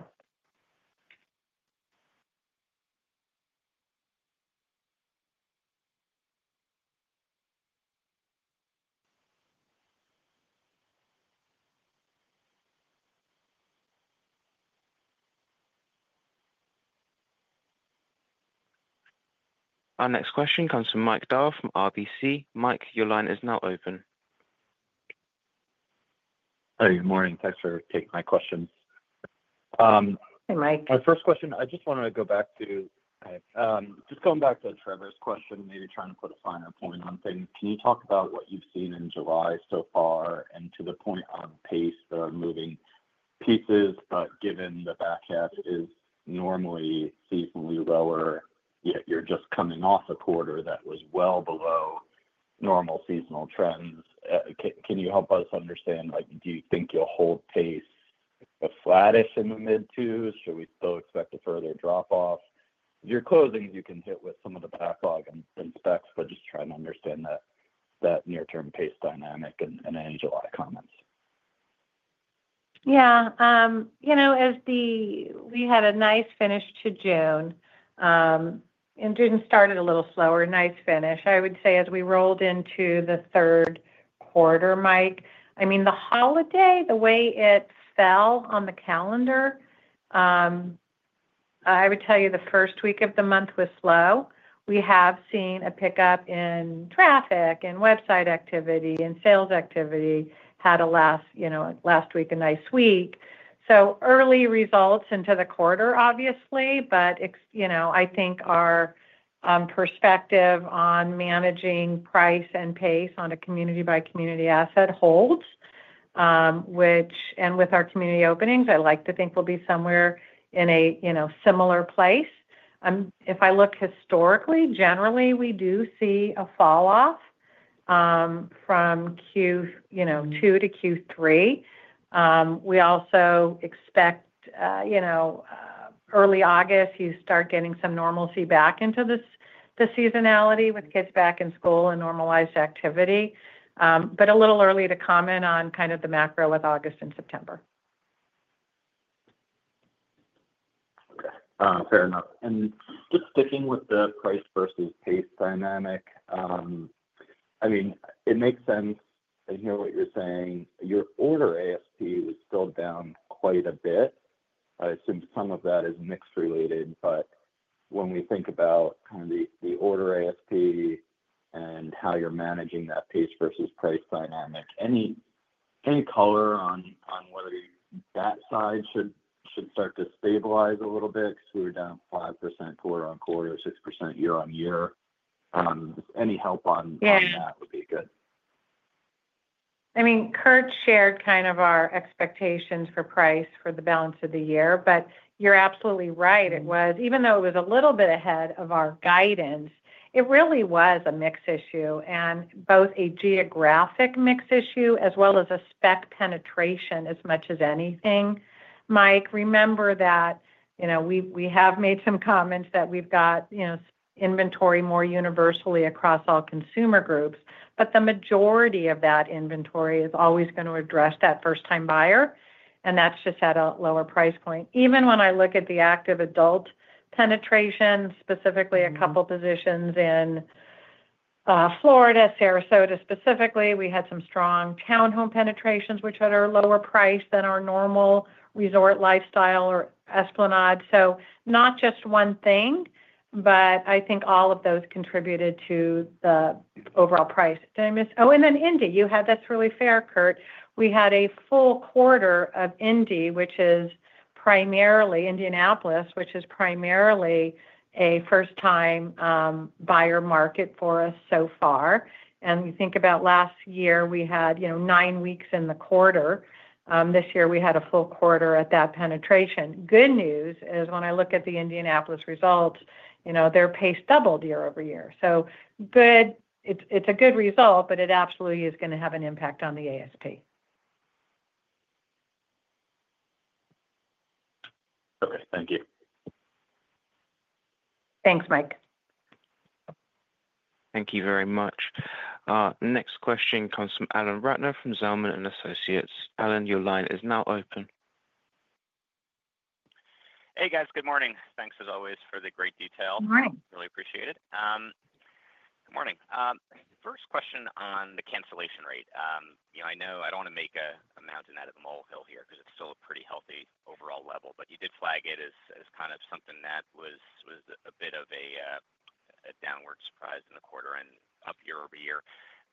Our next question comes from Mike Dahl from RBC. Mike, your line is now open. Good morning. Thanks for taking my questions. Hey Mike. My first question, I just wanted to go back to Trevor's question, maybe trying to put a finer point on things. Can you talk about what you've seen in July so far, and to the point on pace, there are moving pieces, but given the back half is normally seasonally lower, yet you're just coming off a quarter that was well below normal seasonal trends. Can you help us understand? Do you think you'll hold pace flattish in the mid two? Should we still expect a further drop off your closings? You can hit with some of the backlog and specs, but just trying to understand that near term pace dynamic, and I need a lot of comments. Yeah, as we had a nice finish to June and June started a little slower. Nice finish, I would say as we rolled into the third quarter, Mike, the holiday, the way it fell on the calendar, I would tell you the first week of the month was slow. We have seen a pickup in traffic and website activity and sales activity. Had a last week, a nice week. Early results into the quarter obviously, but I think our perspective on managing price and pace on a community by community asset holds. With our community openings, I like to think we'll be somewhere in a similar place. If I look historically, generally we do see a fall off from Q2 to Q3. We also expect early August, you start getting some normalcy back into this, the seasonality with kids back in school and normalized activity. A little early to comment on kind of the macro with August and September. Okay, fair enough. Just sticking with the price versus pace dynamic, it makes sense. I hear what you're saying. Your order ASP was still down quite a bit since some of that is mix related. When we think about the order ASP and how you're managing that pace versus price dynamic, any color on whether that side should start to stabilize a little bit? We're down 5% quarter on quarter, 6% year-on- year. Any help on that would be good. I mean, Curt shared kind of our expectations for price for the balance of the year. You're absolutely right, it was, even though it was a little bit ahead of our guidance, it really was a mix issue and both a geographic mix issue as well as a spec penetration as much as anything. Mike, remember that we have made some comments that we've got inventory more universally across all consumer groups, but the majority of that inventory is always going to address that first time buyer and that's just at a lower price point. Even when I look at the active adult penetration, specifically a couple positions in Florida, Sarasota specifically, we had some strong townhome penetrations which had a lower price than our normal resort lifestyle or Esplanade. Not just one thing, but I think all of those contributed to the overall price. Did I miss—oh, and then Indy, you had this really fair, Curt. We had a full quarter of Indy, which is primarily Indianapolis, which is primarily a first time buyer market for us so far. You think about last year we had nine weeks in the quarter. This year we had a full quarter at that penetration. Good news is when I look at the Indianapolis results, their pace doubled year over year. It's a good result, but it absolutely is going to have an impact on the ASP. Okay, thank you. Thanks, Mike. Thank you very much. Next question comes from Alan Ratner from Zelman & Associates. Alan, your line is now open. Hey guys, good morning. Thanks as always for the great detail. Really appreciate it. Good morning. First question on the cancellation rate. I know I don't want to make a mountain out of the molehill here because it's still a pretty healthy overall level, but you did flag it as kind of something that was a bit of a downward surprise in the quarter and up year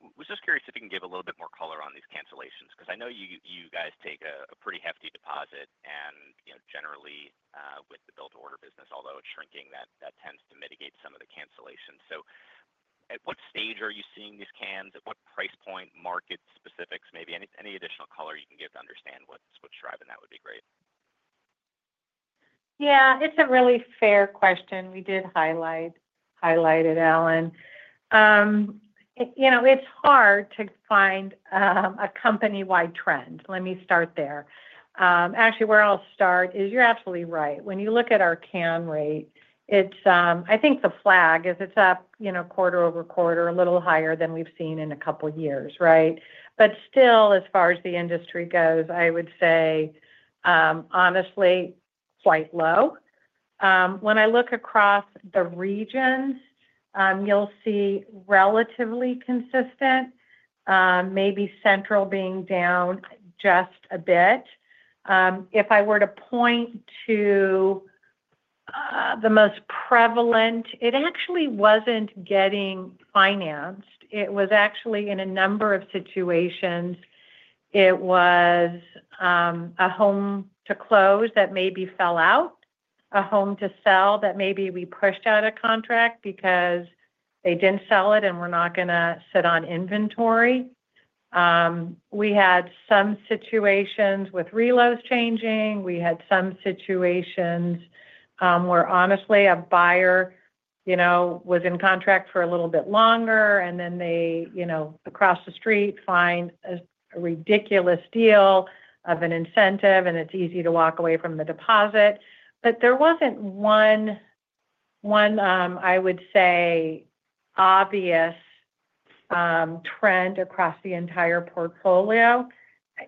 over year. Was just curious if you can give a little bit more color on these cancellations because I know you guys take a pretty hefty deposit. Generally with the build order business, although it's shrinking, that tends to mitigate some of the cancellations. At what stage are you seeing these cancellations? At what price point? Market specifics, maybe any additional color you can give to understand what's driving that would be great. Yeah, it's a really fair question. We did highlight it, Alan. You know, it's hard to find a company-wide trend. Let me start there. Actually, where I'll start is you're absolutely right. When you look at our cancel rate, I think the flag is it's up, you know, quarter over quarter, a little higher than we've seen in a couple years, right? Still, as far as the industry goes, I would say honestly quite low. When I look across the regions, you'll see relatively consistent, maybe Central being down just a bit. If I were to point to the most prevalent, it actually wasn't getting financed. It was actually in a number of situations. It was a home to close that maybe fell out, a home to sell that maybe we pushed out of contract because they didn't sell it and we're not going to sit on inventory. We had some situations with reloads changing. We had some situations where honestly a buyer was in contract for a little bit longer and then they, you know, across the street find a ridiculous deal of an incentive and it's easy to walk away from the deposit. There wasn't one, I would say, obvious trend across the entire portfolio.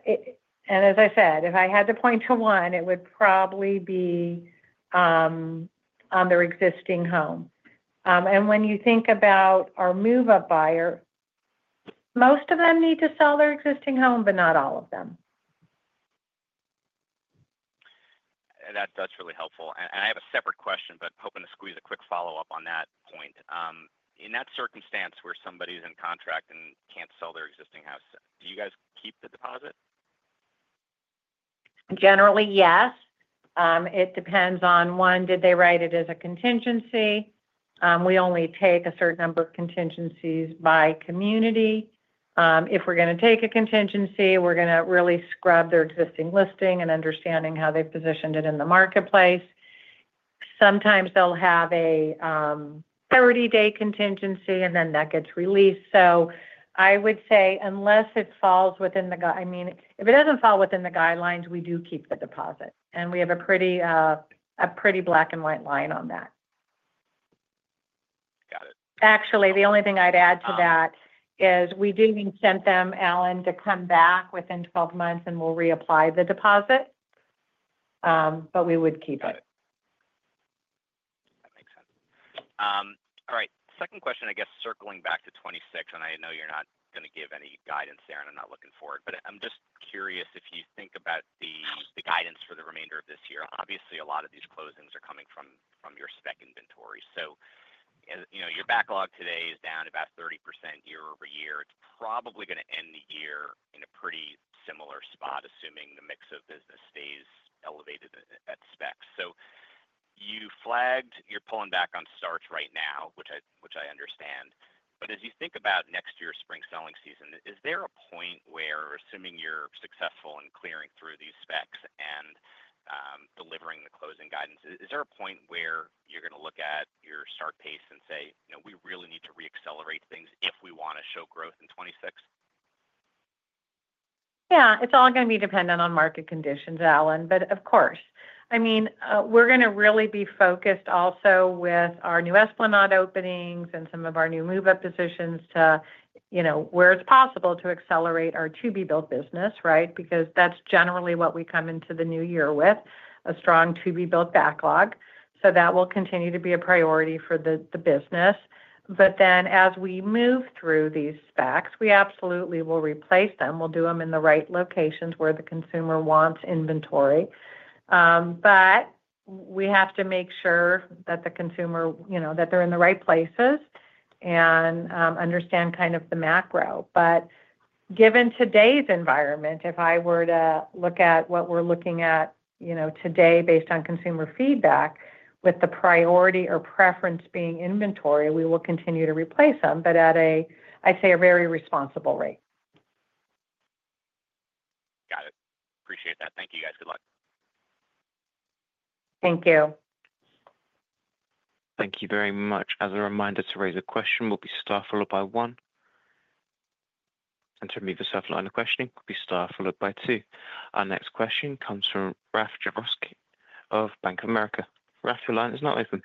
As I said, if I had to point to one, it would probably be on their existing home. When you think about our move-up buyer, most of them need to sell their existing home, but not all of them. That's really helpful. I have a separate question, hoping to squeeze a quick follow up on that point. In that circumstance where somebody is in contract and can't sell their existing house, do you guys keep the deposit? Generally, yes. It depends on one, did they write it as a contingency? We only take a certain number of contingencies by community. If we're going to take a contingency, we're going to really scrub their existing listing and understand how they've positioned it in the marketplace. Sometimes they'll have a 30-day contingency and then that gets released. I would say unless it falls within the, I mean if it doesn't fall within the guidelines, we do keep the deposit and we have a pretty black and white line on that. Got it. Actually, the only thing I'd add to that is we do consent them, Alan, to come back within 12 months and we'll reapply the deposit. We would keep it. That makes sense. All right, second question, I guess circling back to 2026 and I know you're not going to give any guidance there and I'm not looking forward, but I'm just curious if you think about the guidance for the remainder of this year. Obviously a lot of these closings are coming from your spec inventory. You know your backlog today is down about 30% year-over-year. It's probably going to end the year in a pretty similar spot, assuming the mix of business stays elevated at specs. You flagged you're pulling back on starts right now, which I understand. As you think about next year's spring selling season, is there a point where, assuming you're successful in clearing through these specs and delivering the closing guidance, is there a point where you're going to look at your start pace and say we really need to reaccelerate things if we want to show growth in 2026? Yeah, it's all going to be dependent on market conditions, Alan. Of course, I mean we're going to really be focused also with our new Esplanade openings and some of our new move up positions to, you know, where it's possible to accelerate our to-be-built business. Right. That's generally what we come into the new year with, a strong to-be-built backlog. That will continue to be a priority for the business. As we move through these specs, we absolutely will replace them. We'll do them in the right locations where the consumer wants inventory. We have to make sure that the consumer, you know, that they're in the right places and understand kind of the macro. Given today's environment, if I were to look at what we're looking at today based on consumer feedback, with the priority or preference being inventory, we will continue to replace them, but at a, I'd say a very responsible rate. Got it. Appreciate that. Thank you, guys. Good luck. Thank you. Thank you very much. As a reminder, to raise a question, use star followed by one. To remove yourself from the queue, use star followed by two. Our next question comes from Rafe Jadrosich of Bank of America. Rafe, your line is now open.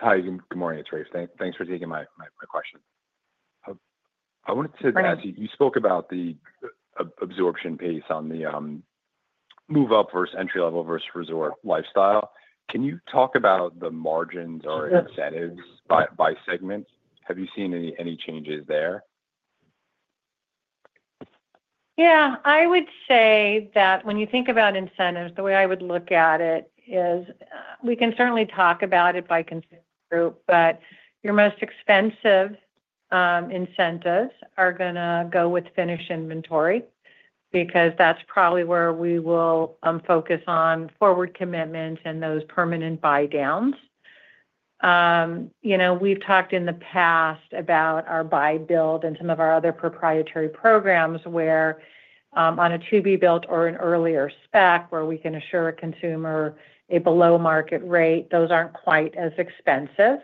Hi, good morning, it's Rafe. Thanks for taking my question. I wanted to ask, you spoke about the absorption pace on the move up versus entry level versus resort lifestyle. Can you talk about the margins or incentives by segment? Have you seen any changes there? Yeah, I would say that when you think about incentives, the way I would look at it is we can certainly talk about it by consumer group, but your most expensive incentives are going to go with finished inventory because that's probably where we will focus on forward commitments and those permanent buy downs. We've talked in the past about our buy build and some of our other proprietary programs where on a to-be-built or an earlier spec where we can assure a consumer a below market rate, those aren't quite as expensive.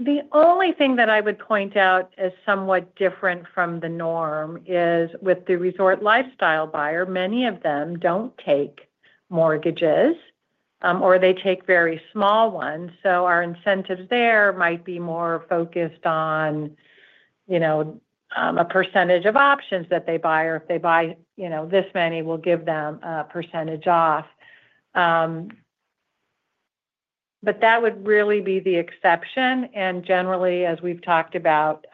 The only thing that I would point out as somewhat different from the norm is with the resort lifestyle buyer, many of them don't take mortgages or they take very small ones. Our incentives there might be more focused on a percentage of options that they buy or if they buy this many, we'll give them a percentage off. That would really be the exception. Generally, as we've talked about,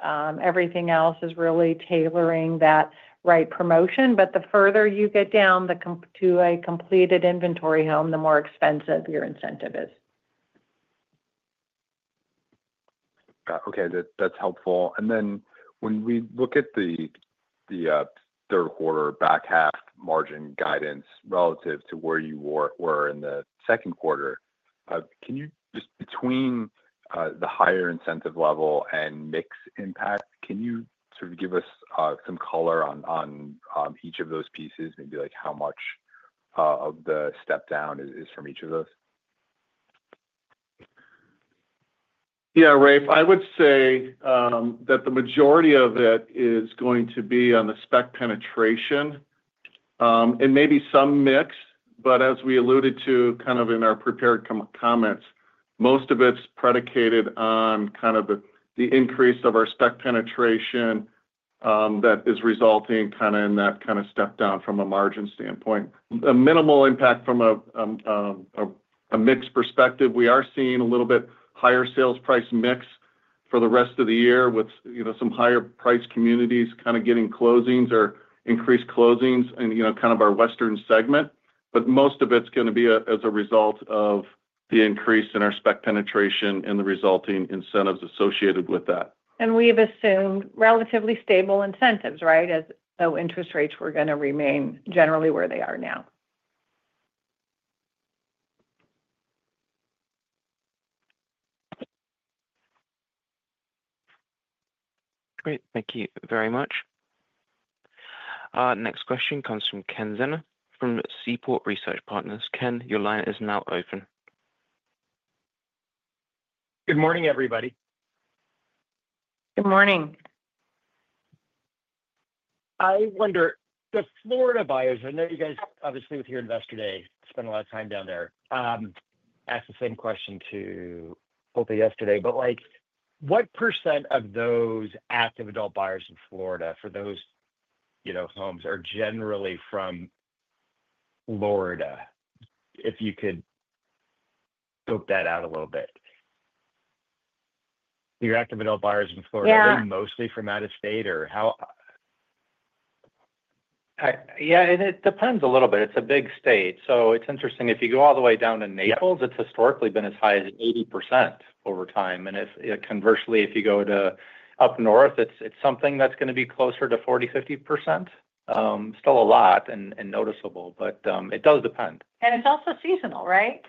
everything else is really tailoring that right promotion. The further you get down to a completed inventory home, the more expensive your incentive is. Okay, that's helpful. When we look at the. Third quarter back half margin guidance relative to where you were in the second quarter, can you, just between the higher incentive level and mix impact, give us some color on each of those pieces? Maybe, like, how much of the step down is from each of those? Yeah, Rafe, I would say that the majority of it is going to be on the spec penetration and maybe some mix. As we alluded to in our prepared comments, most of it's predicated on the increase of our spec penetration that is resulting in that step down from a margin standpoint, a minimal impact. From a mix perspective, we are seeing a little bit higher sales price mix for the rest of the year with some higher price communities getting closings or increased closings in our western segment. Most of it's going to be as a result of the increase in our spec penetration and the resulting incentives associated with that. We have assumed relatively stable incentives, as though interest rates were going to remain generally where they are now. Great, thank you very much. Next question comes from Ken Zener from Seaport Research Partners. Ken, your line is now open. Good morning, everybody. Good morning. I wonder, the Florida buyers, I know you guys, obviously with your Investor Day, spent a lot of time down there. Asked the same question to both of you yesterday. What percent of those active adult buyers in Florida for those homes are generally from Florida? If you could scope that out a little bit. Your active adult buyers in Florida, are they mostly from out of state or how? It depends a little bit. It's a big state. It's interesting if you go all the way down to Naples, it's historically been as high as 80% over time. Conversely, if you go up north, it's something that's going to be closer to 40% - 50%, still a lot and noticeable. It does depend. It is also seasonal. Right.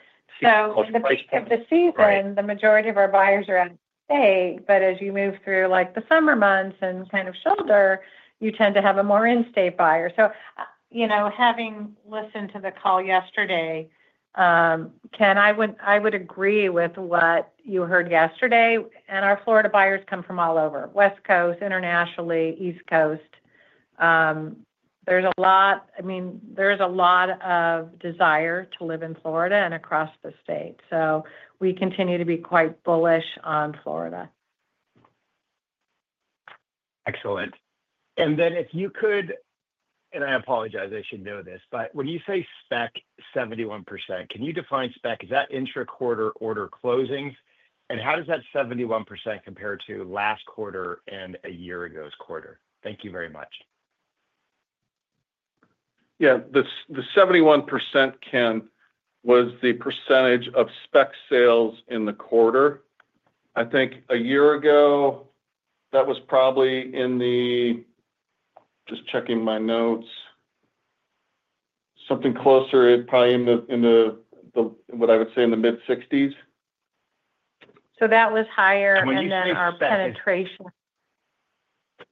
At the end of the season, the majority of our buyers are out of state. As you move through the summer months and kind of shoulder, you tend to have a more in-state buyer. Having listened to the call yesterday, Ken, I would agree with what you heard yesterday. Our Florida buyers come from all over, west coast, internationally, east coast. There is a lot, I mean there is a lot of desire to live in Florida and across the state. We continue to be quite bullish on Florida. Excellent. If you could, I. Apologize, I should know this, but when you say spec 71%, can you define spec? Is that intra quarter order closings, and how does that 71% compare to last quarter and a year ago's quarter? Thank you very much. Yeah, the 71%, Ken, was the percentage of spec sales in the quarter. I think a year ago that was probably in the, just checking my notes, something closer, probably in what I would say is the mid-60s. That was higher, and then our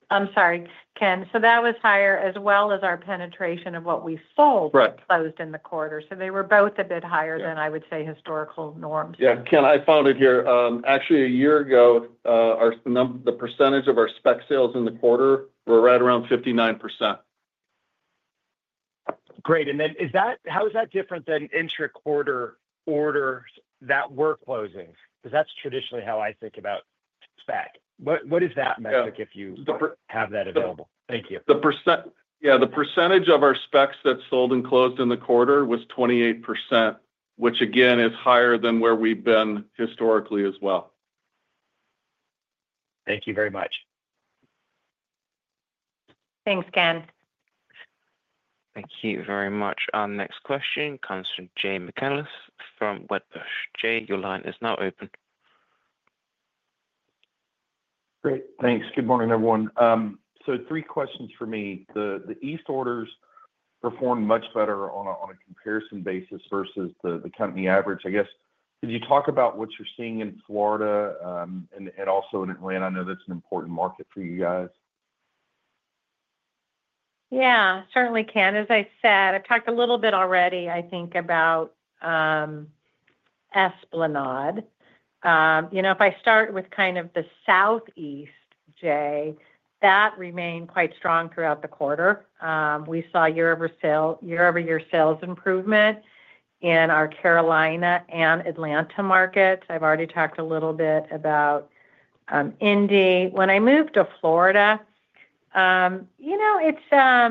penetration—I'm sorry, Ken—that was higher as well as our penetration of what we sold closed in the quarter. They were both a bit higher than I would say historical norms. Yeah, Ken, I found it here. Actually, a year ago, the percentage of our spec sales in the quarter were right around 59%. Great. How is that different than intra-quarter orders that were closing? Because that's traditionally how I think about spec. What is that metric, if you have that available? Thank you. The percentage of our specs that sold and closed in the quarter was 28%, which again is higher than where we've been historically as well. Thank you very much. Thanks, Ken. Thank you very much. Our next question comes from Jay McCanless from Wedbush. Jay, your line is now open. Great, thanks. Good morning, everyone. I have three questions for me. The East orders performed much better on a comparison basis versus the company average, I guess. Could you talk about what you're seeing in Florida and also in Atlanta? I know that's an important market for you guys. Yeah, certainly can. As I said, I've talked a little bit already I think about Esplanade. If I start with kind of the Southeast, Jay, that remained quite strong throughout the quarter. We saw year over year sales improvement in our Carolina and Atlanta markets. I've already talked a little bit about Indy. When I moved to Florida, it's a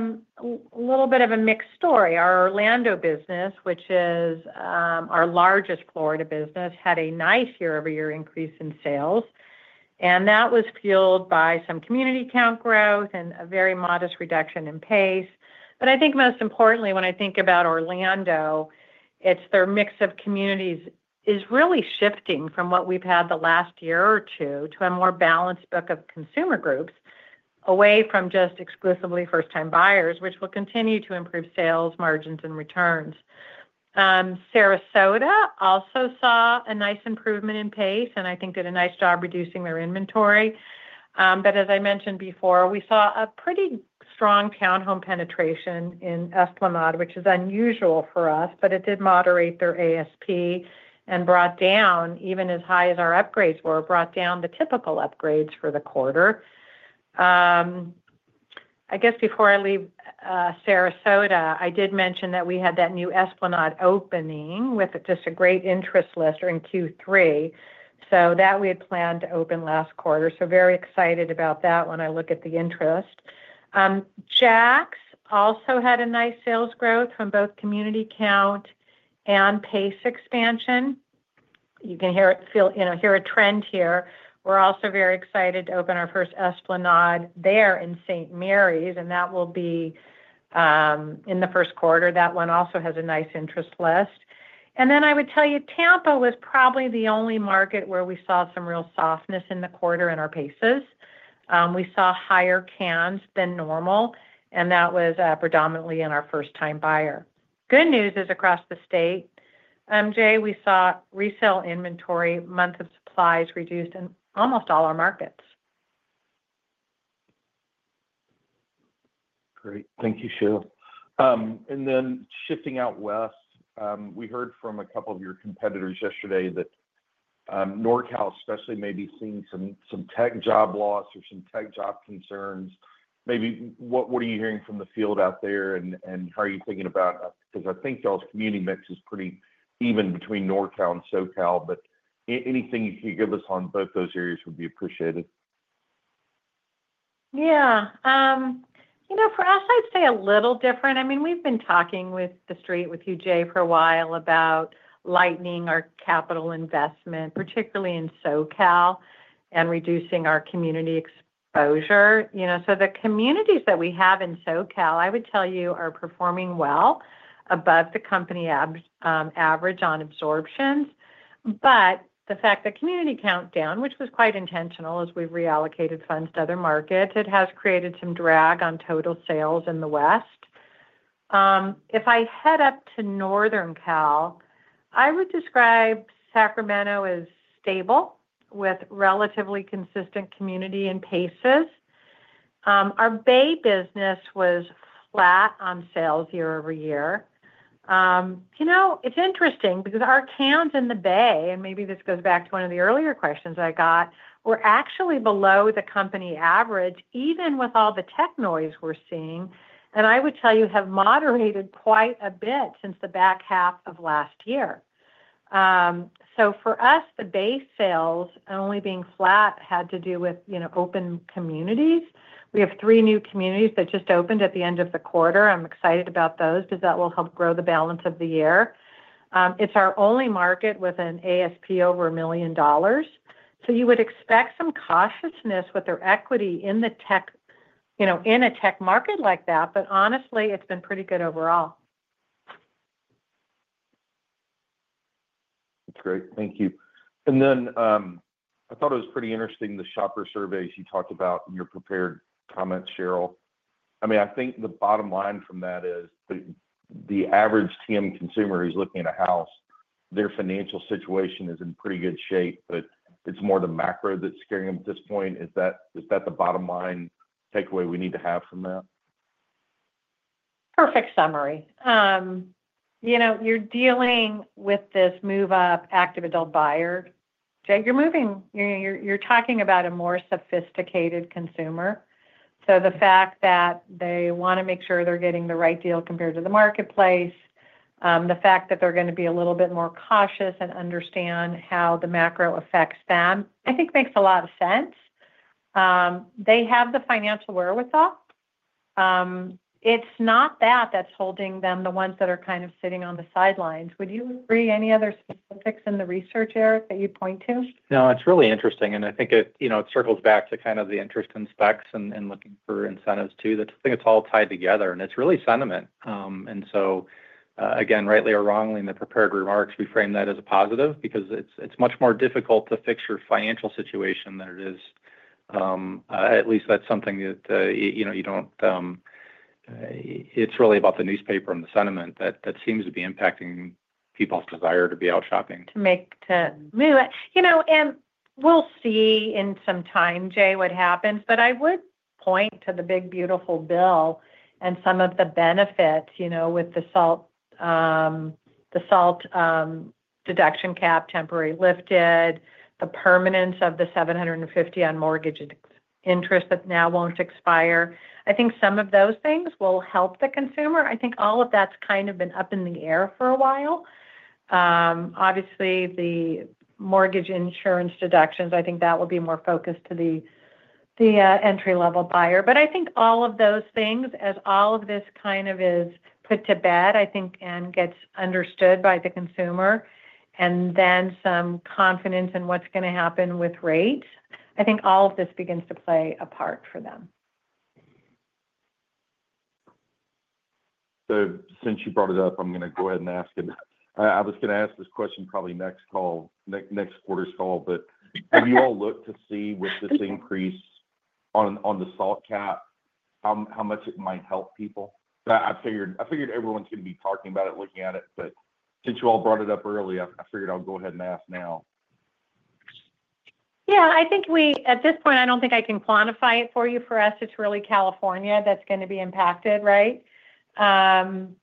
little bit of a mixed story. Our Orlando business, which is our largest Florida business, had a nice year over year increase in sales and that was fueled by some community count growth and a very modest reduction in pace. I think most importantly when I think about Orlando, their mix of communities is really shifting from what we've had the last year or two to a more balanced book of consumer groups away from just exclusively first time buyers, which will continue to improve sales margins and returns. Sarasota also saw a nice improvement in pace and I think did a nice job reducing their inventory. As I mentioned before, we saw a pretty strong townhome penetration in Esplanade, which is unusual for us, but it did moderate their ASP and brought down, even as high as our upgrades were, brought down the typical upgrades for the quarter. Before I leave Sarasota, I did mention that we had that new Esplanade opening with just a great interest list in Q3 that we had planned to open last quarter. Very excited about that. When I look at the interest, Jacks also had a nice sales growth from both community count and pace expansion. You can hear a trend here. We're also very excited to open our first Esplanade there in St. Mary's and that will be in the first quarter. That one also has a nice interest list. I would tell you Tampa was probably the only market where we saw some real softness in the quarter. In our paces we saw higher cans than normal and that was predominantly in our first time buyer. Good news is across the state, Jay, we saw resale inventory month of supplies reduced in almost all our markets. Great. Thank you, Sheryl. Shifting out west, we heard from a couple of your competitors yesterday that NorCal especially may be seeing some tech job loss or some tech job concerns maybe. What are you hearing from the field? Out there and how are you thinking about it? I think your community mix is pretty even between NorCal and SoCal. Anything you can give us on both those areas would be appreciated. Yeah, you know, for us, I'd say a little different. I mean we've been talking with the street with you for a while about lightening our capital investment, particularly in SoCal and reducing our community exposure. The communities that we have in SoCal, I would tell you, are performing well above the company average on absorptions. The fact that community countdown, which was quite intentional as we reallocated funds to other markets, has created some drag on total sales in the West. If I head up to Northern Cal, I would describe Sacramento as stable with relatively consistent community and paces. Our Bay business was flat on sales year over year. It's interesting because our cancels in the Bay, and maybe this goes back to one of the earlier questions I got, were actually below the company average even with all the tech noise we're seeing. I would tell you have moderated quite a bit since the back half of last year. For us, the base sales only being flat had to do with open communities. We have three new communities that just opened at the end of the quarter. I'm excited about those because that will help grow the balance of the year. It's our only market with an ASP over $1 million. You would expect some cautiousness with their equity in the tech, in a tech market like that. Honestly it's been pretty good overall. That's great. Thank you. I thought it was pretty interesting, the shopper surveys you talked about in your prepared comments, Sheryl. I mean, I think the bottom line from that is the average Taylor Morrison consumer who's looking at a house, their financial situation is in pretty good shape. It's more the macro that's scaring them at this point. Is that the bottom line takeaway we need to have from that perfect summary? You know, you're dealing with this move up active adult buyer. Jay, you're moving, you're talking about a more sophisticated consumer. The fact that they want to make sure they're getting the right deal compared to the marketplace, the fact that they're going to be a little bit more cautious and understand how the macro affects them, I think makes a lot of sense. They have the financial wherewithal. It's not that that's holding them. The ones that are kind of sitting on the sidelines. Would you agree? Any other specifics in the research, Erik, that you point to? No. It's really interesting and I think it circles back to the interest in specs and looking at for incentives too. I think it's all tied together and it's really sentiment. Again, rightly or wrongly in the prepared remarks, we frame that as a positive because it's much more difficult to fix your financial situation than it is. At least that's something that, you know, you don't. It's really about the newspaper and the sentiment that seems to be impacting people's desire to be out shopping. To move, you know, and we'll see in some time, Jay, what happens. I would point to the big beautiful bill and some of the benefits, you know, with the SALT deduction cap temporarily lifted, the permanence of the $750,000 on mortgage interest that now won't expire. I think some of those things will help the consumer. All of that's kind of been up in the air for a while. Obviously, the mortgage insurance deductions, I think that will be more focused to the entry-level buyer. I think all of those things, as all of this kind of is put to bed, and gets understood by the consumer and then some confidence in what's going to happen with rates, I think all of this begins to play a part for them. Since you brought it up, I'm going to go ahead and ask it. I was going to ask this question probably next quarter's call. Have you all looked to see? This increase on the SALT cap, how much it might help people? I figured everyone's going to be talking about it, looking at it, but since. You all brought it up early. Figured I'll go ahead and ask now. Yeah, I think at this point I don't think I can quantify it for you. For us, it's really California that's going to be impacted. Right.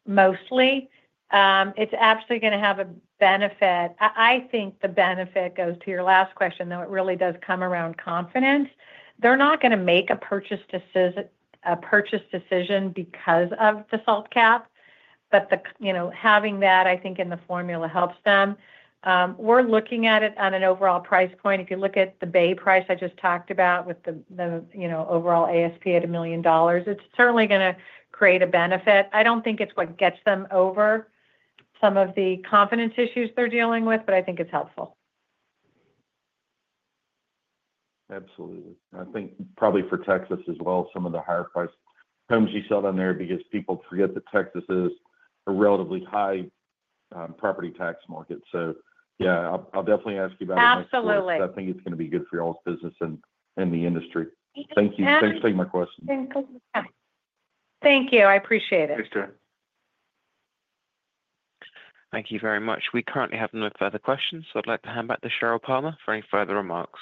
Mostly, it's absolutely going to have a benefit. I think the benefit goes to your last question though. It really does come around confidence. They're not going to make a purchase decision because of the SALT cap, but having that, I think, in the formula helps them. We're looking at it on an overall price point. If you look at the base price I just talked about with the overall ASP at $1 million, it's certainly going to create a benefit. I don't think it's what gets them over some of the confidence issues they're dealing with, but I think it's helpful. Absolutely. I think probably for Texas as well, some of the higher priced homes. Sell down there because people forget that. Texas is a relatively high property tax market. I'll definitely ask you about. Absolutely. I think it's going to be good for Yardly's business, and thank you. Thanks for taking my question. Thank you. I appreciate it. Thank you very much. We currently have no further questions, so I'd like to hand back to Sheryl Palmer for any further remarks.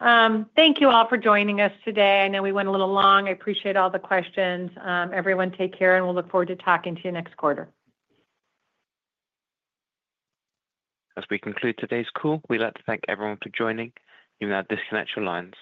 Thank you all for joining us today. I know we went a little long. I appreciate all the questions, everyone. Take care and we'll look forward to talking to you next quarter. As we conclude today's call, we'd like to thank everyone for joining us. Now disconnect your lines.